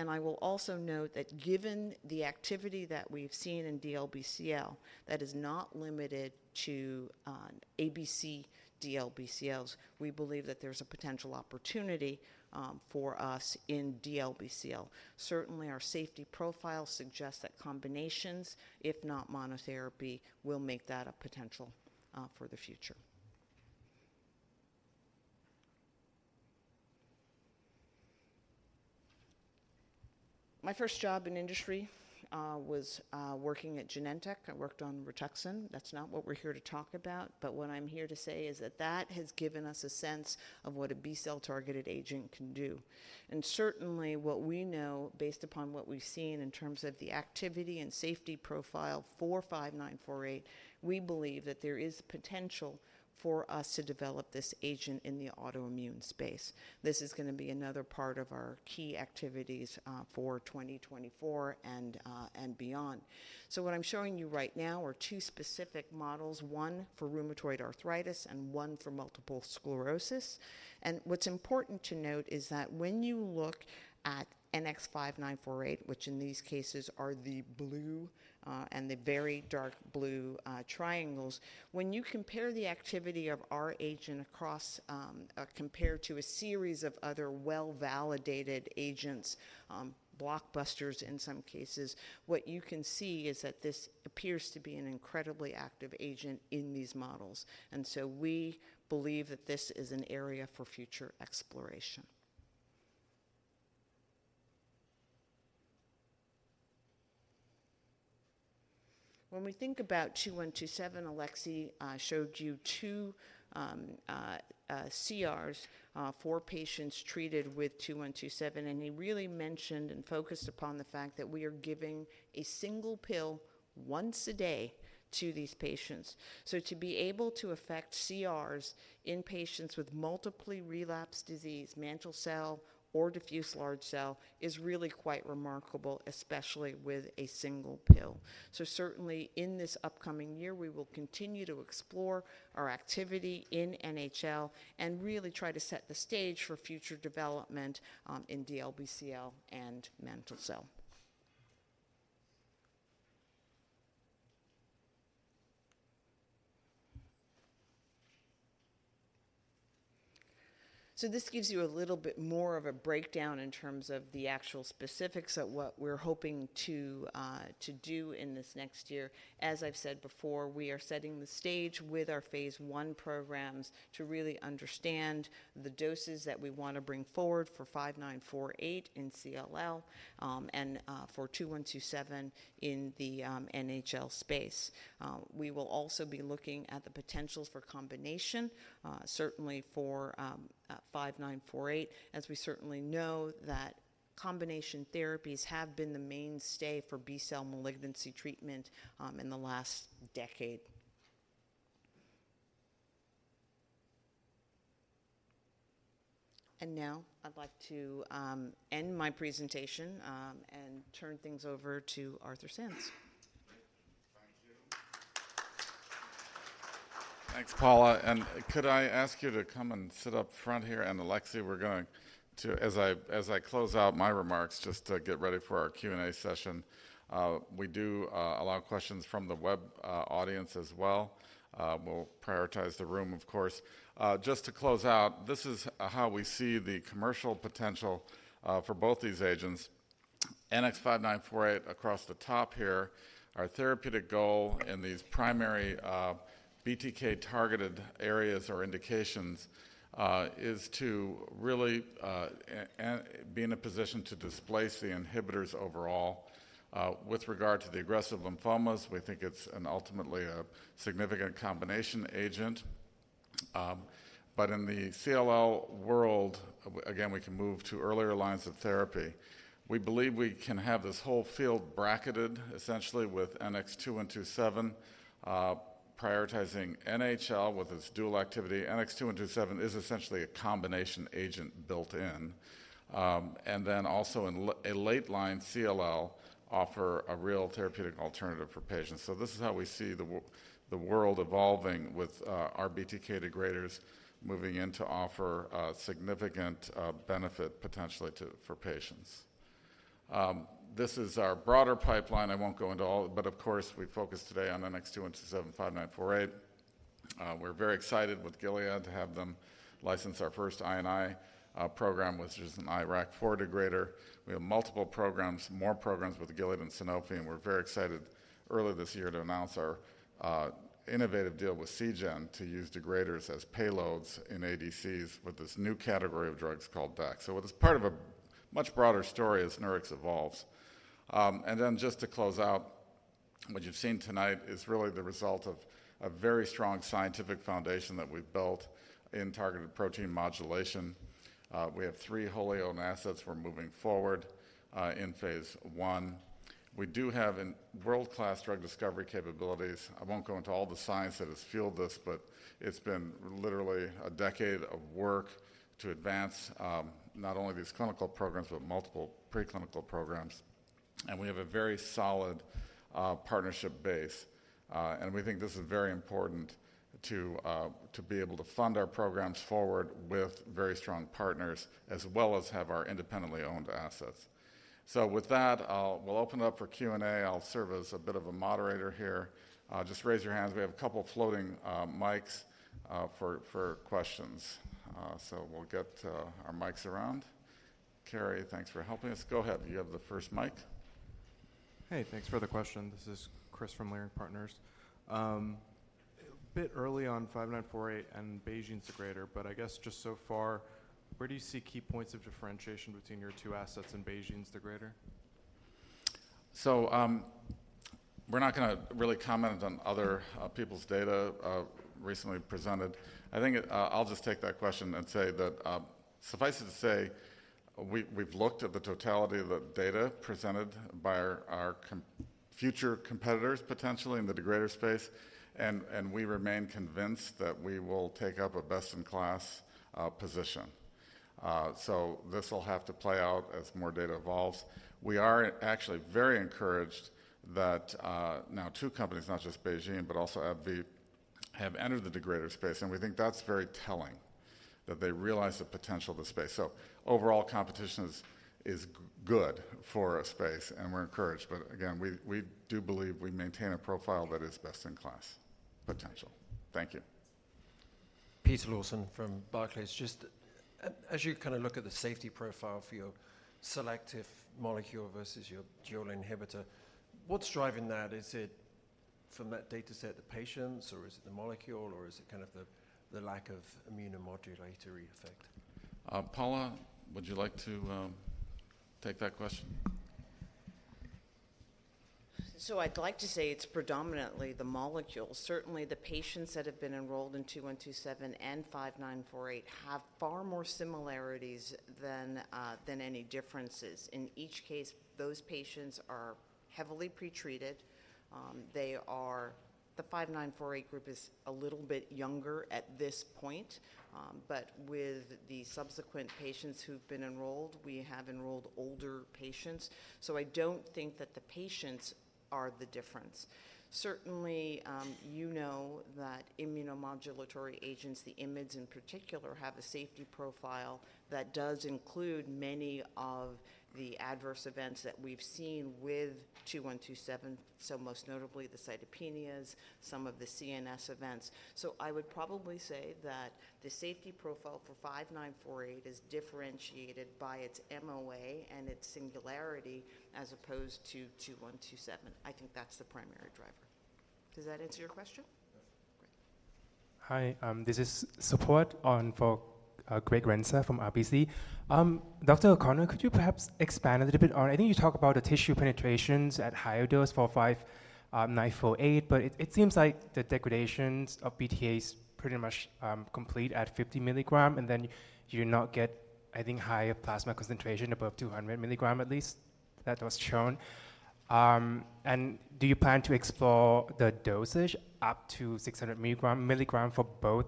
I will also note that given the activity that we've seen in DLBCL, that is not limited to, ABC-DLBCLs. We believe that there's a potential opportunity, for us in DLBCL. Certainly, our safety profile suggests that combinations, if not monotherapy, will make that a potential, for the future. My first job in industry, was working at Genentech. I worked on Rituxan. That's not what we're here to talk about, but what I'm here to say is that that has given us a sense of what a B-cell-targeted agent can do. Certainly, what we know, based upon what we've seen in terms of the activity and safety profile for 5948, we believe that there is potential for us to develop this agent in the autoimmune space. This is gonna be another part of our key activities, for 2024 and, and beyond. What I'm showing you right now are two specific models, one for rheumatoid arthritis and one for multiple sclerosis. What's important to note is that when you look at NX-5948, which in these cases are the blue, and the very dark blue, triangles, when you compare the activity of our agent across, compared to a series of other well-validated agents, blockbusters in some cases, what you can see is that this appears to be an incredibly active agent in these models. We believe that this is an area for future exploration. When we think about 2127, Alexey showed you 2 CRs for patients treated with 2127, and he really mentioned and focused upon the fact that we are giving a single pill once a day to these patients. So to be able to affect CRs in patients with multiply relapsed disease, mantle cell or diffuse large cell, is really quite remarkable, especially with a single pill. So certainly, in this upcoming year, we will continue to explore our activity in NHL and really try to set the stage for future development in DLBCL and mantle cell. So this gives you a little bit more of a breakdown in terms of the actual specifics of what we're hoping to do in this next year. As I've said before, we are setting the stage with our phase I programs to really understand the doses that we want to bring forward for NX-5948 in CLL, and for NX-2127 in the NHL space. We will also be looking at the potential for combination, certainly for NX-5948, as we certainly know that combination therapies have been the mainstay for B-cell malignancy treatment in the last decade. Now I'd like to end my presentation, and turn things over to Arthur Sands. Thank you. Thanks, Paula, and could I ask you to come and sit up front here, and Alexey, we're going to—as I close out my remarks, just to get ready for our Q&A session, we do allow questions from the web audience as well. We'll prioritize the room, of course. Just to close out, this is how we see the commercial potential for both these agents. NX-5948 across the top here, our therapeutic goal in these primary BTK-targeted areas or indications is to really and be in a position to displace the inhibitors overall. But in the CLL world, again, we can move to earlier lines of therapy. We believe we can have this whole field bracketed, essentially, with NX-2127, prioritizing NHL with its dual activity. NX-2127 is essentially a combination agent built in. And then also in late-line CLL, offer a real therapeutic alternative for patients. So this is how we see the world evolving with our BTK degraders moving in to offer significant benefit potentially to patients. This is our broader pipeline. I won't go into all, but of course, we focus today on NX-2127 and NX-5948. We're very excited with Gilead to have them license our first IRAK4 program, which is an IRAK4 degrader. We have multiple programs, more programs with Gilead and Sanofi, and we're very excited earlier this year to announce our innovative deal with Seagen to use degraders as payloads in ADCs with this new category of drugs called DAC. So it is part of a much broader story as Nurix evolves. And then just to close out, what you've seen tonight is really the result of a very strong scientific foundation that we've built in targeted protein modulation. We have three wholly owned assets we're moving forward in phase one. We do have world-class drug discovery capabilities. I won't go into all the science that has fueled this, but it's been literally a decade of work to advance not only these clinical programs, but multiple preclinical programs. We have a very solid partnership base, and we think this is very important to be able to fund our programs forward with very strong partners, as well as have our independently owned assets. So with that, we'll open up for Q&A. I'll serve as a bit of a moderator here. Just raise your hands. We have a couple floating mics for questions. So we'll get our mics around. Carrie, thanks for helping us. Go ahead. You have the first mic. Hey, thanks for the question. This is Chris from Leerink Partners. A bit early on 5948 and BeiGene's degrader, but I guess just so far, where do you see key points of differentiation between your two assets and BeiGene's degrader? So, we're not gonna really comment on other people's data recently presented. I think, I'll just take that question and say that, suffice it to say, we, we've looked at the totality of the data presented by our, our future competitors, potentially, in the degrader space, and, and we remain convinced that we will take up a best-in-class position. So this will have to play out as more data evolves. We are actually very encouraged that, now two companies, not just BeiGene, but also ADV, have entered the degrader space, and we think that's very telling, that they realize the potential of the space. So overall competition is good for a space, and we're encouraged. But again, we, we do believe we maintain a profile that is best-in-class potential. Thank you. Peter Lawson from Barclays. Just as you kinda look at the safety profile for your selective molecule versus your dual inhibitor, what's driving that? Is it from that data set, the patients, or is it the molecule, or is it kind of the lack of immunomodulatory effect? Paula, would you like to take that question? So I'd like to say it's predominantly the molecule. Certainly, the patients that have been enrolled in NX-2127 and NX-5948 have far more similarities than any differences. In each case, those patients are heavily pretreated. They are the NX-5948 group is a little bit younger at this point, but with the subsequent patients who've been enrolled, we have enrolled older patients, so I don't think that the patients are the difference. Certainly, you know that immunomodulatory agents, the IMiDs in particular, have a safety profile that does include many of the ADVerse events that we've seen with NX-2127, so most notably the cytopenias, some of the CNS events. So I would probably say that the safety profile for NX-5948 is differentiated by its MOA and its singularity as opposed to NX-2127. I think that's the primary driver. Does that answer your question? Yes. Great. Hi, this is Greg Renza from RBC. Dr. O'Connor, could you perhaps expand a little bit on... I think you talked about the tissue penetration at higher dose for NX-5948, but it seems like the degradation of BTK pretty much complete at 50 mg, and then you not get, I think, higher plasma concentration above 200 mg, at least that was shown. And do you plan to explore the dosage up to 600 mg for both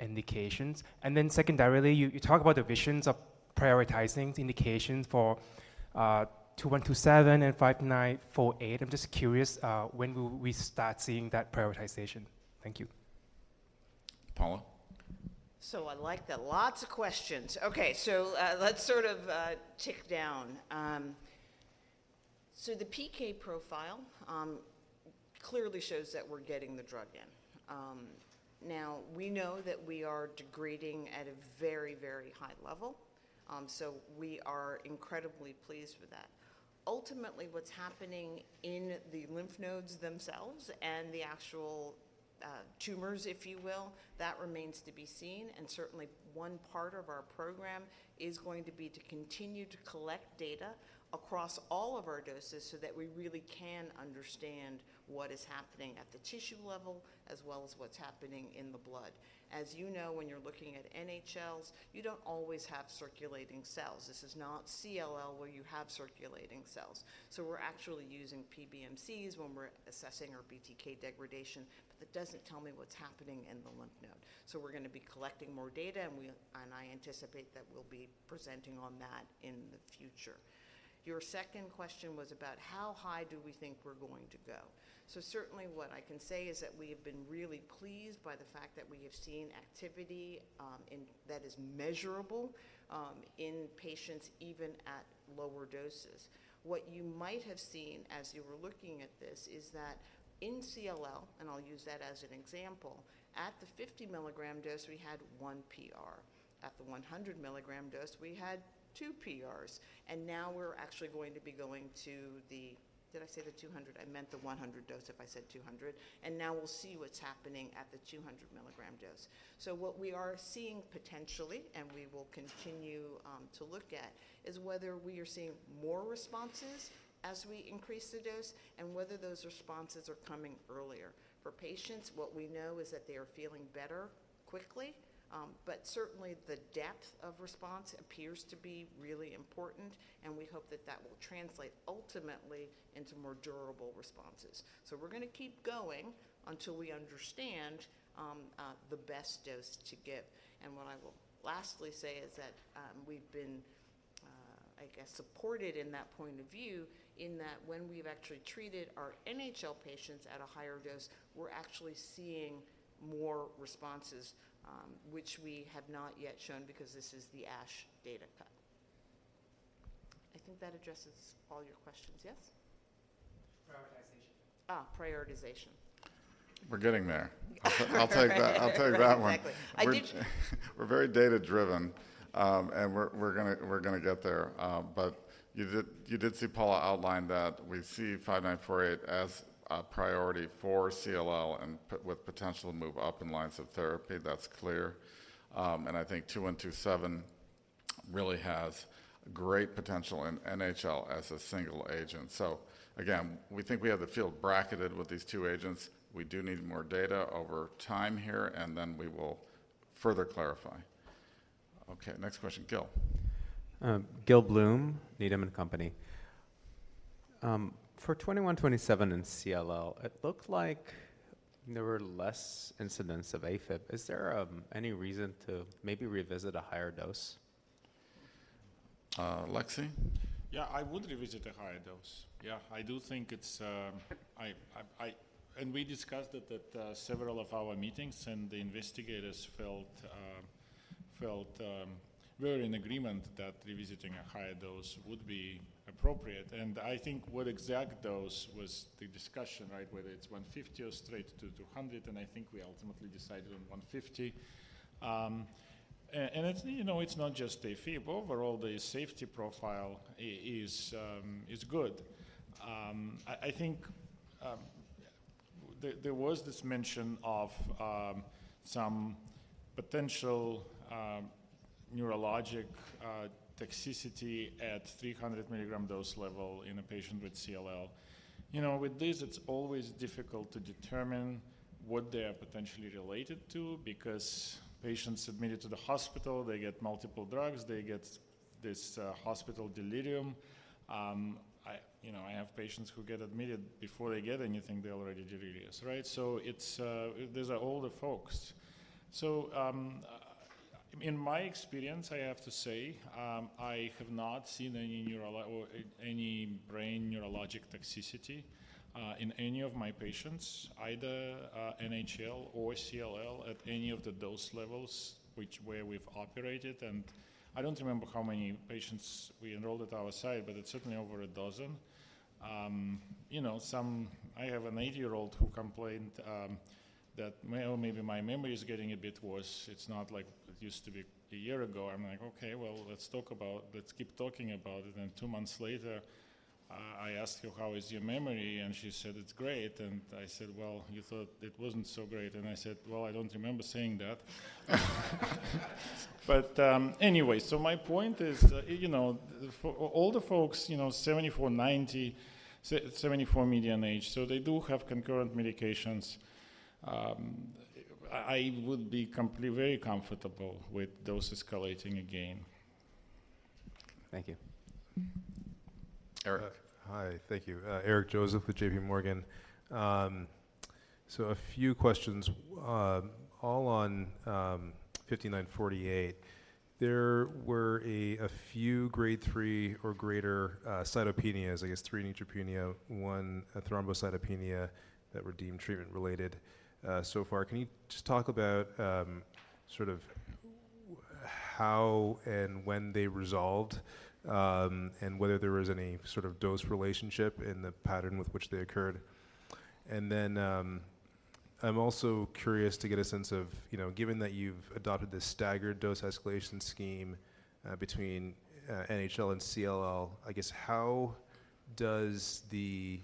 indications? And then secondarily, you talk about the vision of prioritizing the indications for NX-2127 and NX-5948. I'm just curious, when will we start seeing that prioritization? Thank you. Paula? So I like that. Lots of questions. Okay, so, let's sort of, tick down. So the PK profile clearly shows that we're getting the drug in. Now, we know that we are degrading at a very, very high level, so we are incredibly pleased with that. Ultimately, what's happening in the lymph nodes themselves and the actual, tumors, if you will, that remains to be seen, and certainly one part of our program is going to be to continue to collect data across all of our doses so that we really can understand what is happening at the tissue level, as well as what's happening in the blood. As you know, when you're looking at NHLs, you don't always have circulating cells. This is not CLL, where you have circulating cells. So we're actually using PBMCs when we're assessing our BTK degradation, but that doesn't tell me what's happening in the lymph node. So we're gonna be collecting more data, and I anticipate that we'll be presenting on that in the future. Your second question was about how high do we think we're going to go? So certainly what I can say is that we have been really pleased by the fact that we have seen activity in that is measurable in patients even at lower doses. What you might have seen as you were looking at this is that in CLL, and I'll use that as an example, at the 50-milligram dose, we had one PR. At the 100-milligram dose, we had two PRs, and now we're actually going to be going to the... Did I say the 200? I meant the 100 dose, if I said 200. And now we'll see what's happening at the 200 milligram dose. So what we are seeing potentially, and we will continue to look at, is whether we are seeing more responses as we increase the dose and whether those responses are coming earlier. For patients, what we know is that they are feeling better quickly, but certainly the depth of response appears to be really important, and we hope that that will translate ultimately into more durable responses. So we're gonna keep going until we understand the best dose to give. What I will lastly say is that, we've been, I guess, supported in that point of view, in that when we've actually treated our NHL patients at a higher dose, we're actually seeing more responses, which we have not yet shown because this is the ASH data cut. I think that addresses all your questions. Yes? Prioritization. Ah, prioritization. We're getting there. I'll take that, I'll take that one. Exactly. I give you- We're very data-driven, and we're gonna get there. But you did see Paula outline that we see 5948 as a priority for CLL and with potential to move up in lines of therapy, that's clear. And I think 2127 really has great potential in NHL as a single agent. So again, we think we have the field bracketed with these two agents. We do need more data over time here, and then we will further clarify. Okay, next question, Gil. Gil Blum, Needham and Company. For 2127 in CLL, it looked like there were less incidents of AFib. Is there any reason to maybe revisit a higher dose? Uh, Alexey? Yeah, I would revisit a higher dose. Yeah, I do think it's. And we discussed it at several of our meetings, and the investigators felt were in agreement that revisiting a higher dose would be appropriate. And I think what exact dose was the discussion, right? Whether it's 150 or straight to 200, and I think we ultimately decided on 150. And it's, you know, it's not just AFib. Overall, the safety profile is good. I think there was this mention of some potential neurologic toxicity at 300 mg dose level in a patient with CLL. You know, with this, it's always difficult to determine what they are potentially related to because patients admitted to the hospital, they get multiple drugs, they get this hospital delirium. You know, I have patients who get admitted, before they get anything, they already delirious, right? So it's, these are older folks. So, in my experience, I have to say, I have not seen any neurole-- or any brain neurologic toxicity, in any of my patients, either, NHL or CLL, at any of the dose levels which where we've operated. And I don't remember how many patients we enrolled at our site, but it's certainly over a dozen. You know, some-- I have an 80-year-old who complained, that, "Well, maybe my memory is getting a bit worse. It's not like it used to be a year ago." I'm like: "Okay, well, let's talk about, let's keep talking about it." And two months later, I asked her: "How is your memory?" And she said, "It's great." And I said, "Well, you thought it wasn't so great." And I said, "Well, I don't remember saying that." But, anyway, so my point is, you know, for older folks, you know, 74, 90, 74 median age, so they do have concurrent medications. I would be very comfortable with dose escalating again. Thank you. Eric. Hi. Thank you. Eric Joseph with JP Morgan. So a few questions, all on NX-5948. There were a few grade 3 or greater cytopenias, I guess 3 neutropenia, 1 thrombocytopenia, that were deemed treatment-related so far. Can you just talk about sort of how and when they resolved, and whether there was any sort of dose relationship in the pattern with which they occurred. And then, I'm also curious to get a sense of, you know, given that you've adopted this staggered dose escalation scheme between NHL and CLL, I guess how does the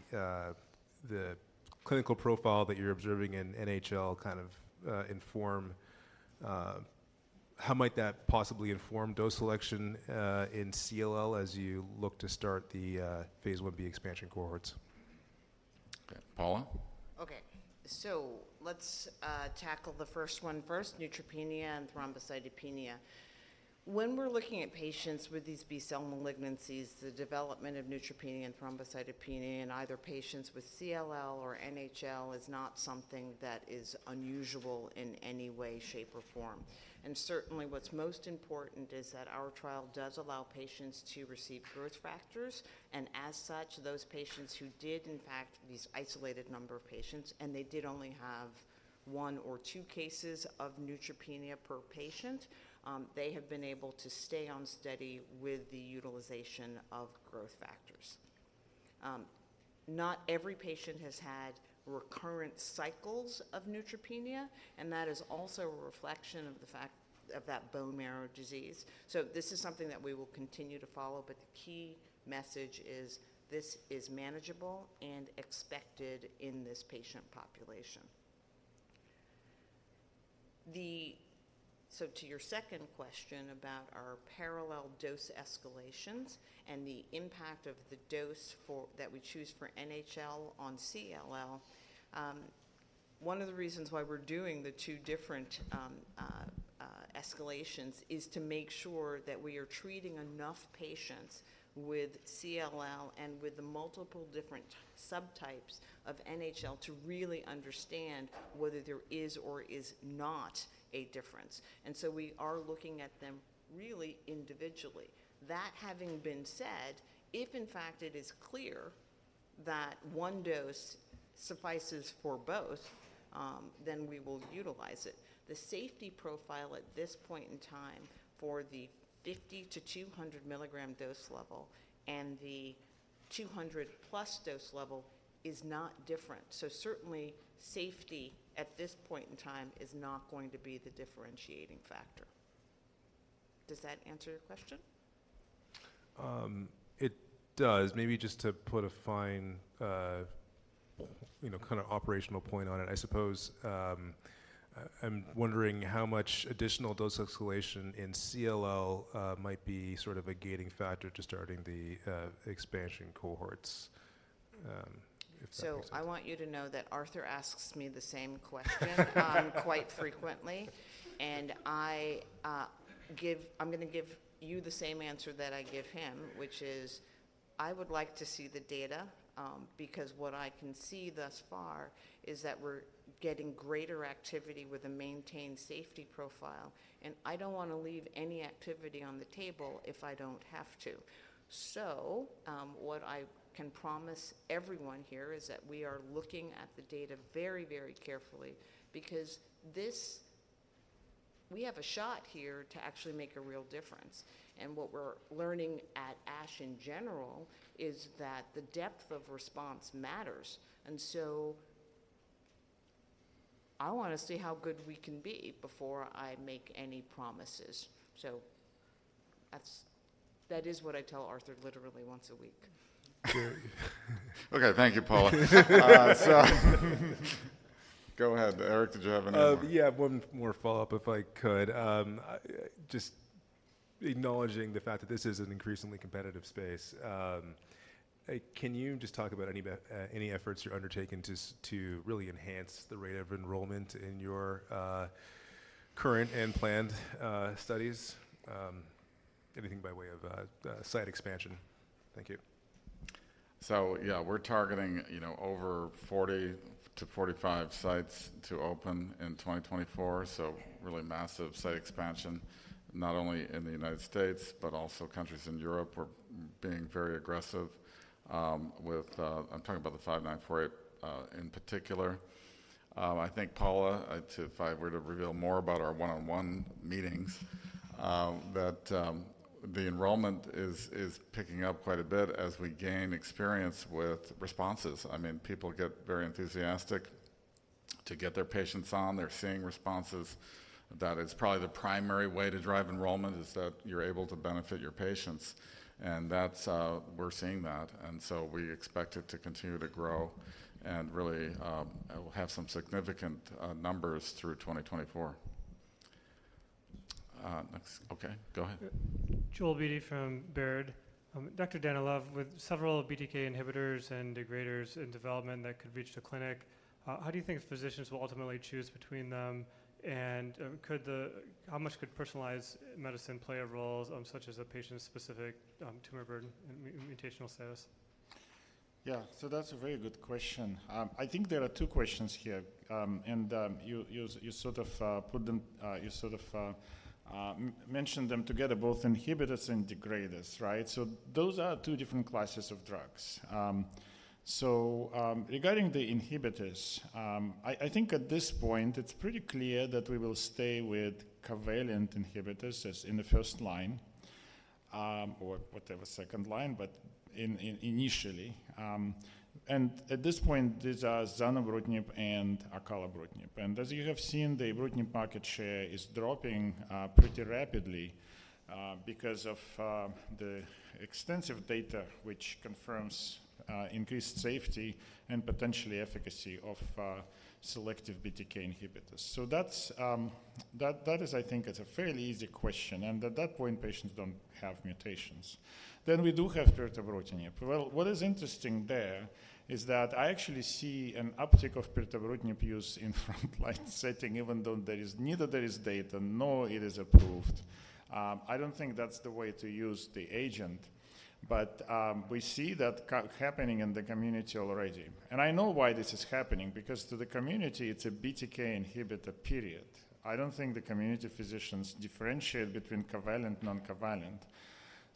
clinical profile that you're observing in NHL kind of inform how might that possibly inform dose selection in CLL as you look to start the phase 1b expansion cohorts? Okay, Paula? Okay. So let's tackle the first one first, neutropenia and thrombocytopenia. When we're looking at patients with these B-cell malignancies, the development of neutropenia and thrombocytopenia in either patients with CLL or NHL is not something that is unusual in any way, shape, or form. And certainly, what's most important is that our trial does allow patients to receive growth factors, and as such, those patients who did, in fact, these isolated number of patients, and they did only have one or two cases of neutropenia per patient, they have been able to stay on study with the utilization of growth factors. Not every patient has had recurrent cycles of neutropenia, and that is also a reflection of the fact, of that bone marrow disease. So this is something that we will continue to follow, but the key message is this is manageable and expected in this patient population. So to your second question about our parallel dose escalations and the impact of the dose that we choose for NHL on CLL, one of the reasons why we're doing the two different escalations is to make sure that we are treating enough patients with CLL and with the multiple different subtypes of NHL to really understand whether there is or is not a difference. And so we are looking at them really individually. That having been said, if in fact it is clear that one dose suffices for both, then we will utilize it. The safety profile at this point in time for the 50-200 mg dose level and the 200+ dose level is not different. So certainly, safety at this point in time is not going to be the differentiating factor. Does that answer your question? It does. Maybe just to put a fine, you know, kind of operational point on it, I suppose, I'm wondering how much additional dose escalation in CLL might be sort of a gating factor to starting the expansion cohorts, if that makes sense. So I want you to know that Arthur asks me the same question quite frequently, and I, I'm gonna give you the same answer that I give him, which is: I would like to see the data, because what I can see thus far is that we're getting greater activity with a maintained safety profile, and I don't want to leave any activity on the table if I don't have to. So, what I can promise everyone here is that we are looking at the data very, very carefully because this, we have a shot here to actually make a real difference. And what we're learning at ASH in general is that the depth of response matters, and so I wanna see how good we can be before I make any promises. So that's, that is what I tell Arthur literally once a week. Okay, thank you, Paula. So go ahead. Eric, did you have another one? Yeah, one more follow-up, if I could. Just acknowledging the fact that this is an increasingly competitive space, hey, can you just talk about any efforts you're undertaking to really enhance the rate of enrollment in your current and planned studies? Anything by way of site expansion. Thank you. So yeah, we're targeting, you know, over 40 to 45 sites to open in 2024, so really massive site expansion, not only in the United States, but also countries in Europe. We're being very aggressive with the NX-5948 in particular. I think, Paula, if I were to reveal more about our one-on-one meetings, that the enrollment is picking up quite a bit as we gain experience with responses. I mean, people get very enthusiastic to get their patients on. They're seeing responses. That is probably the primary way to drive enrollment, is that you're able to benefit your patients, and that's, we're seeing that, and so we expect it to continue to grow and really have some significant numbers through 2024. Next. Okay, go ahead. Joel Beatty from Baird. Dr. Danilov, with several BTK inhibitors and degraders in development that could reach the clinic, how do you think physicians will ultimately choose between them, and how much could personalized medicine play a role, such as a patient-specific tumor burden and mutational status? Yeah, so that's a very good question. I think there are two questions here, and you sort of put them, you sort of mentioned them together, both inhibitors and degraders, right? So those are two different classes of drugs. So, regarding the inhibitors, I think at this point it's pretty clear that we will stay with covalent inhibitors as in the first line.... or whatever, second line, but in initially. And at this point, these are zanubrutinib and acalabrutinib. And as you have seen, the ibrutinib market share is dropping pretty rapidly because of the extensive data which confirms increased safety and potentially efficacy of selective BTK inhibitors. So that's that is I think it's a fairly easy question, and at that point, patients don't have mutations. Then we do have pirtobrutinib. Well, what is interesting there is that I actually see an uptick of pirtobrutinib use in frontline setting, even though there is neither data, nor it is approved. I don't think that's the way to use the agent, but we see that happening in the community already. And I know why this is happening, because to the community, it's a BTK inhibitor, period. I don't think the community physicians differentiate between covalent and non-covalent.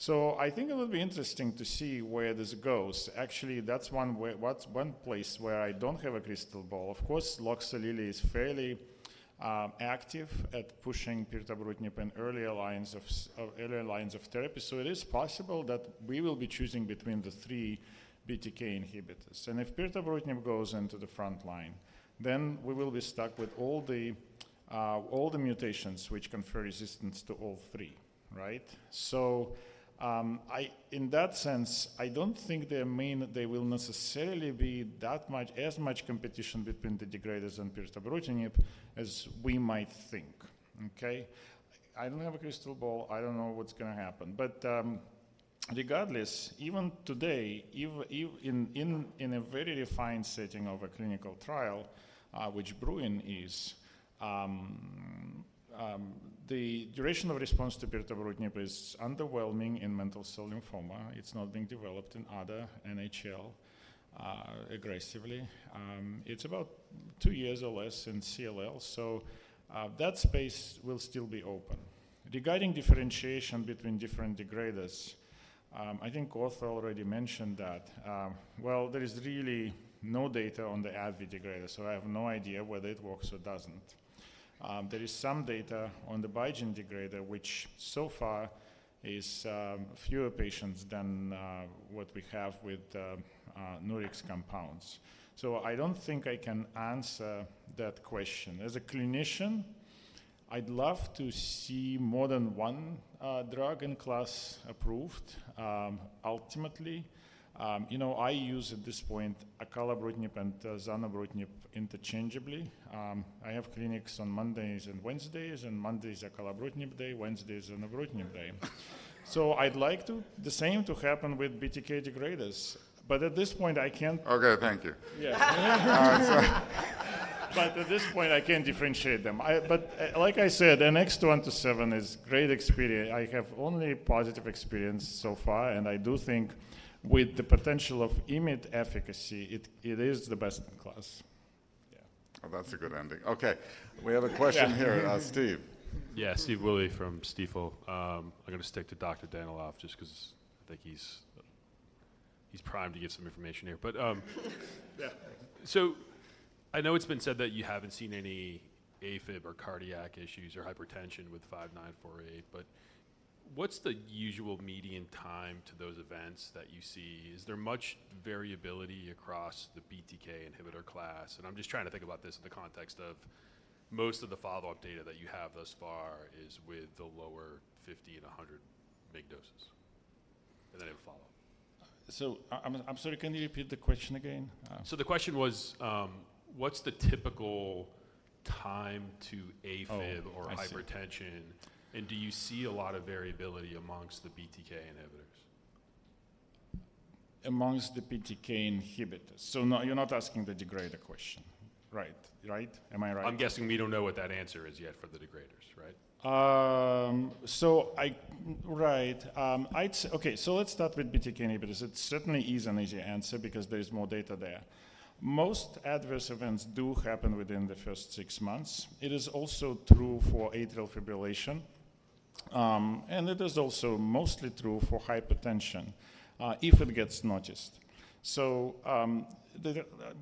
So I think it will be interesting to see where this goes. Actually, that's one way, one place where I don't have a crystal ball. Of course, Loxo is fairly active at pushing pirtobrutinib in earlier lines of therapy, so it is possible that we will be choosing between the three BTK inhibitors. And if pirtobrutinib goes into the front line, then we will be stuck with all the mutations which confer resistance to all three, right? So, in that sense, I don't think that means there will necessarily be that much, as much competition between the degraders and pirtobrutinib as we might think, okay? I don't have a crystal ball. I don't know what's gonna happen. But, regardless, even today, even in a very refined setting of a clinical trial, which BRUIN is, the duration of response to pirtobrutinib is underwhelming in mantle cell lymphoma. It's not being developed in other NHL aggressively. It's about two years or less in CLL, so that space will still be open. Regarding differentiation between different degraders, I think Arthur already mentioned that. Well, there is really no data on the AbbVie degrader, so I have no idea whether it works or doesn't. There is some data on the BeiGene degrader, which so far is fewer patients than what we have with Nurix compounds. So I don't think I can answer that question. As a clinician, I'd love to see more than one drug in class approved, ultimately. You know, I use, at this point, acalabrutinib and zanubrutinib interchangeably. I have clinics on Mondays and Wednesdays, and Mondays are acalabrutinib day, Wednesdays are zanubrutinib day. So I'd like to—the same to happen with BTK degraders, but at this point, I can't- Okay, thank you. Yeah. But at this point, I can't differentiate them. But, like I said, NX-2127 is great experience. I have only positive experience so far, and I do think with the potential of IMiD efficacy, it, it is the best in class. Yeah. Well, that's a good ending. Okay. We have a question here, Steve. Yeah, Steve Willey from Stifel. I'm gonna stick to Dr. Danilov just 'cause I think he's, he's primed to give some information here. But, Yeah. So I know it's been said that you haven't seen any AFib or cardiac issues or hypertension with 5948, but what's the usual median time to those events that you see? Is there much variability across the BTK inhibitor class? And I'm just trying to think about this in the context of most of the follow-up data that you have thus far is with the lower 50 and 100 mg doses. And then I have a follow-up. I'm sorry, can you repeat the question again? The question was, what's the typical time to AFib- Oh, I see. or hypertension, and do you see a lot of variability among the BTK inhibitors? Amongst the BTK inhibitors? So no, you're not asking the degrader question, right? Right. Am I right? I'm guessing we don't know what that answer is yet for the degraders, right? Okay, so let's start with BTK inhibitors. It certainly is an easy answer because there's more data there. Most adverse events do happen within the first six months. It is also true for atrial fibrillation, and it is also mostly true for hypertension, if it gets noticed. So,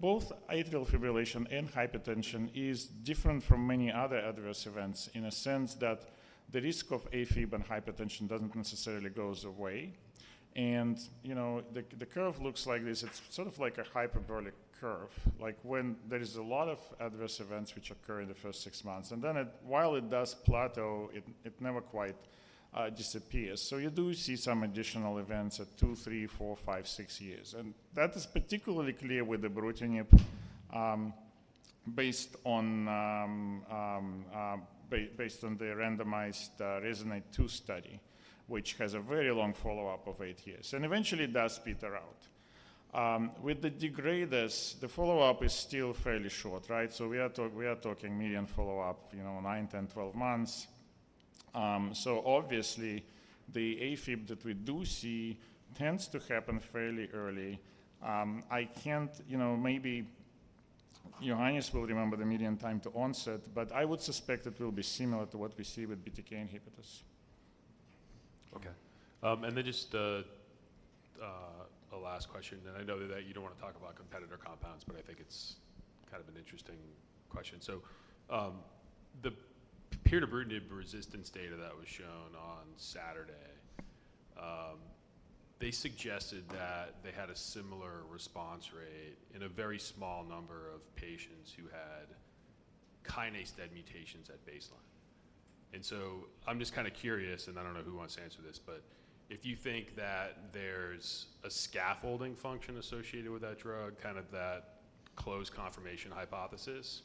both atrial fibrillation and hypertension is different from many other adverse events in a sense that the risk of AFib and hypertension doesn't necessarily goes away. And, you know, the curve looks like this. It's sort of like a hyperbolic curve, like when there is a lot of adverse events which occur in the first six months, and then while it does plateau, it never quite disappears. So you do see some additional events at 2, 3, 4, 5, 6 years, and that is particularly clear with the ibrutinib, based on the randomized RESONATE-2 study, which has a very long follow-up of 8 years, and eventually, it does peter out. With the degraders, the follow-up is still fairly short, right? So we are talking median follow-up, you know, 9, 10, 12 months. So obviously, the AFib that we do see tends to happen fairly early. I can't... You know, maybe Johannes will remember the median time to onset, but I would suspect it will be similar to what we see with BTK inhibitors. Okay. And then just a last question, and I know that you don't want to talk about competitor compounds, but I think it's kind of an interesting question. So, the pirtobrutinib resistance data that was shown on Saturday, they suggested that they had a similar response rate in a very small number of patients who had kinase-dead mutations at baseline. And so I'm just kind of curious, and I don't know who wants to answer this, but if you think that there's a scaffolding function associated with that drug, kind of that closed conformation hypothesis,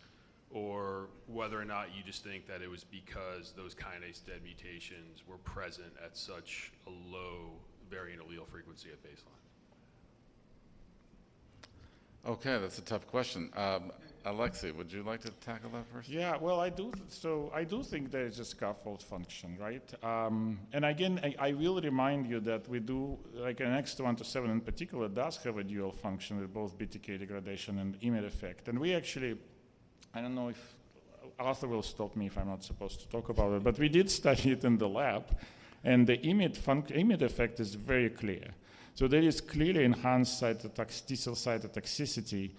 or whether or not you just think that it was because those kinase-dead mutations were present at such a low variant allele frequency at baseline? Okay, that's a tough question. Alexey, would you like to tackle that first? Yeah, well, so I do think there is a scaffold function, right? And again, I will remind you that we do, like NX-2127 in particular, does have a dual function with both BTK degradation and IMiD effect. And we actually, I don't know if Arthur will stop me if I'm not supposed to talk about it, but we did study it in the lab, and the IMiD func-- IMiD effect is very clear. So there is clearly enhanced cytotoxicity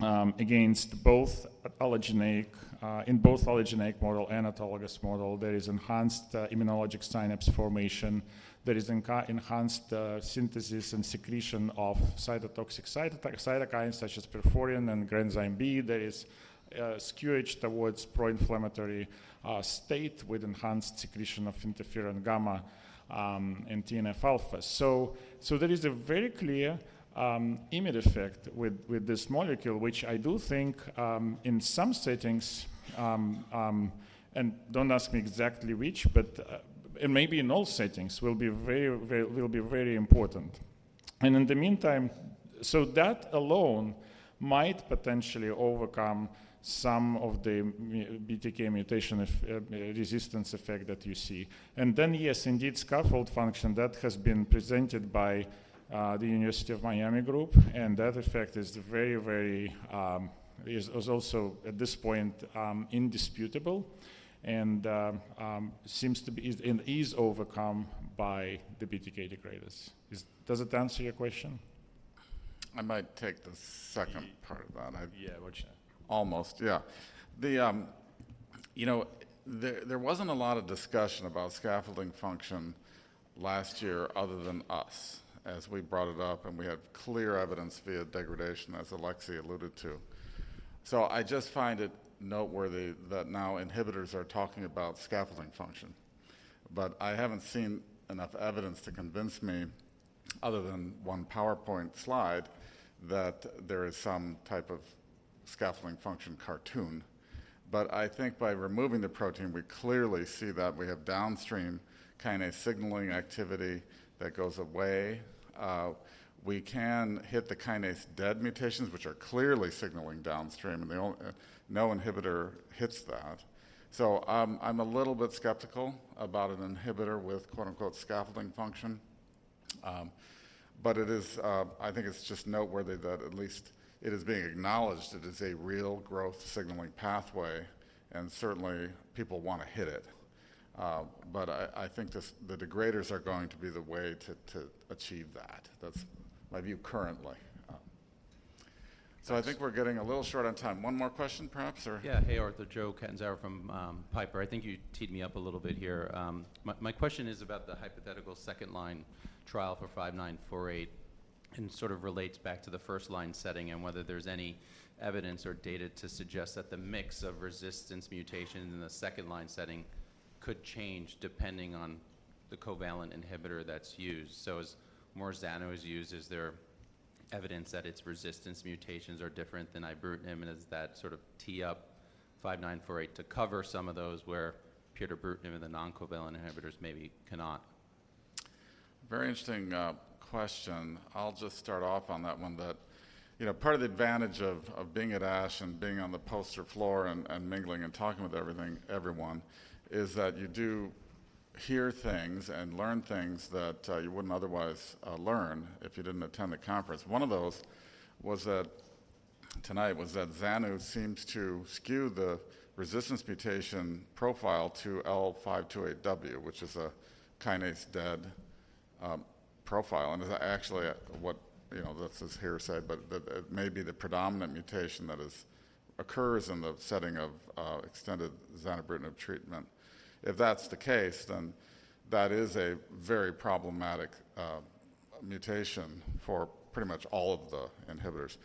against both allogeneic and autologous model. There is enhanced immunologic synapse formation. There is enhanced synthesis and secretion of cytotoxic cytokines, such as perforin and granzyme B. There is skewing towards proinflammatory state with enhanced secretion of interferon gamma and TNF-alpha. So there is a very clear IMiD effect with this molecule, which I do think in some settings and don't ask me exactly which, but it may be in all settings, will be very, very important. And in the meantime, so that alone might potentially overcome some of the BTK mutation resistance effect that you see. And then, yes, indeed, scaffold function that has been presented by the University of Miami group, and that effect is very, very is also at this point indisputable and seems to be and is overcome by the BTK degraders. Does it answer your question? I might take the second part of that. Yeah, which- Almost, yeah. The, you know, there wasn't a lot of discussion about scaffolding function last year other than us, as we brought it up, and we have clear evidence via degradation, as Alexey alluded to. So I just find it noteworthy that now inhibitors are talking about scaffolding function. But I haven't seen enough evidence to convince me, other than one PowerPoint slide, that there is some type of scaffolding function cartoon. But I think by removing the protein, we clearly see that we have downstream kinase signaling activity that goes away. We can hit the kinase-dead mutations, which are clearly signaling downstream, and they all—no inhibitor hits that. So, I'm a little bit skeptical about an inhibitor with quote, unquote, scaffolding function. But it is, I think it's just noteworthy that at least it is being acknowledged that it's a real growth signaling pathway, and certainly people want to hit it. But I think this, the degraders are going to be the way to achieve that. That's my view currently. So I think we're getting a little short on time. One more question, perhaps, or? Yeah. Hey, Arthur, Joe Catanzaro from Piper. I think you teed me up a little bit here. My question is about the hypothetical second-line trial for NX-5948, and sort of relates back to the first line setting and whether there's any evidence or data to suggest that the mix of resistance mutations in the second line setting could change depending on the covalent inhibitor that's used. So as more zanubrutinib is used, is there evidence that its resistance mutations are different than ibrutinib, and does that sort of tee up NX-5948 to cover some of those where pirtobrutinib and the non-covalent inhibitors maybe cannot? Very interesting question. I'll just start off on that one, that, you know, part of the advantage of being at ASH and being on the poster floor and mingling and talking with everyone, is that you do hear things and learn things that you wouldn't otherwise learn if you didn't attend the conference. One of those was that, tonight, was that zanubrutinib seems to skew the resistance mutation profile to L528W, which is a kinase-dead profile. And actually, you know, this is hearsay, but that it may be the predominant mutation that occurs in the setting of extended zanubrutinib treatment. If that's the case, then that is a very problematic mutation for pretty much all of the inhibitors.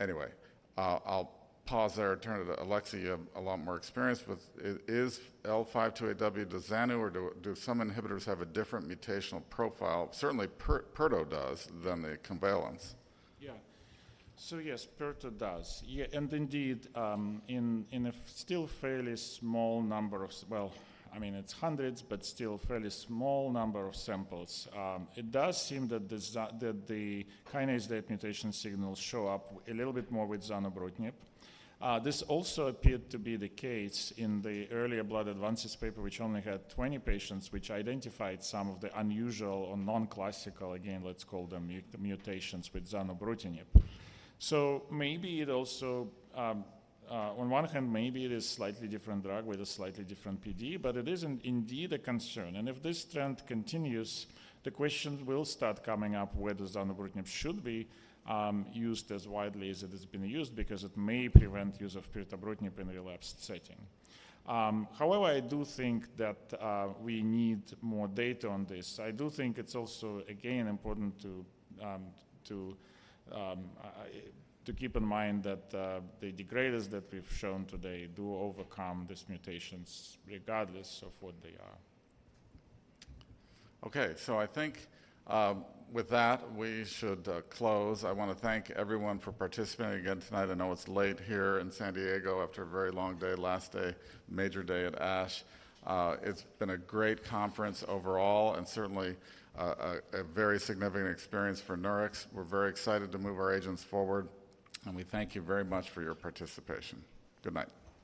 Anyway, I'll pause there and turn to Alexey. You have a lot more experience with... Is L528W to zanubrutinib, or do some inhibitors have a different mutational profile? Certainly, pirtobrutinib does, than the covalents. Yeah. So yes, pirto does. Yeah, and indeed, in a still fairly small number of samples. Well, I mean, it's hundreds, but still fairly small number of samples, it does seem that the kinase-dead mutation signals show up a little bit more with zanubrutinib. This also appeared to be the case in the earlier Blood Advances paper, which only had 20 patients, which identified some of the unusual or non-classical, again, let's call them mutations, with zanubrutinib. So maybe it also, on one hand, maybe it is slightly different drug with a slightly different PD, but it is indeed a concern. And if this trend continues, the question will start coming up whether zanubrutinib should be used as widely as it has been used because it may prevent use of pirtobrutinib in relapsed setting. However, I do think that we need more data on this. I do think it's also, again, important to keep in mind that the degraders that we've shown today do overcome these mutations regardless of what they are. Okay, so I think, with that, we should close. I want to thank everyone for participating again tonight. I know it's late here in San Diego after a very long day, last day, major day at ASH. It's been a great conference overall and certainly, a very significant experience for Nurix. We're very excited to move our agents forward, and we thank you very much for your participation. Good night.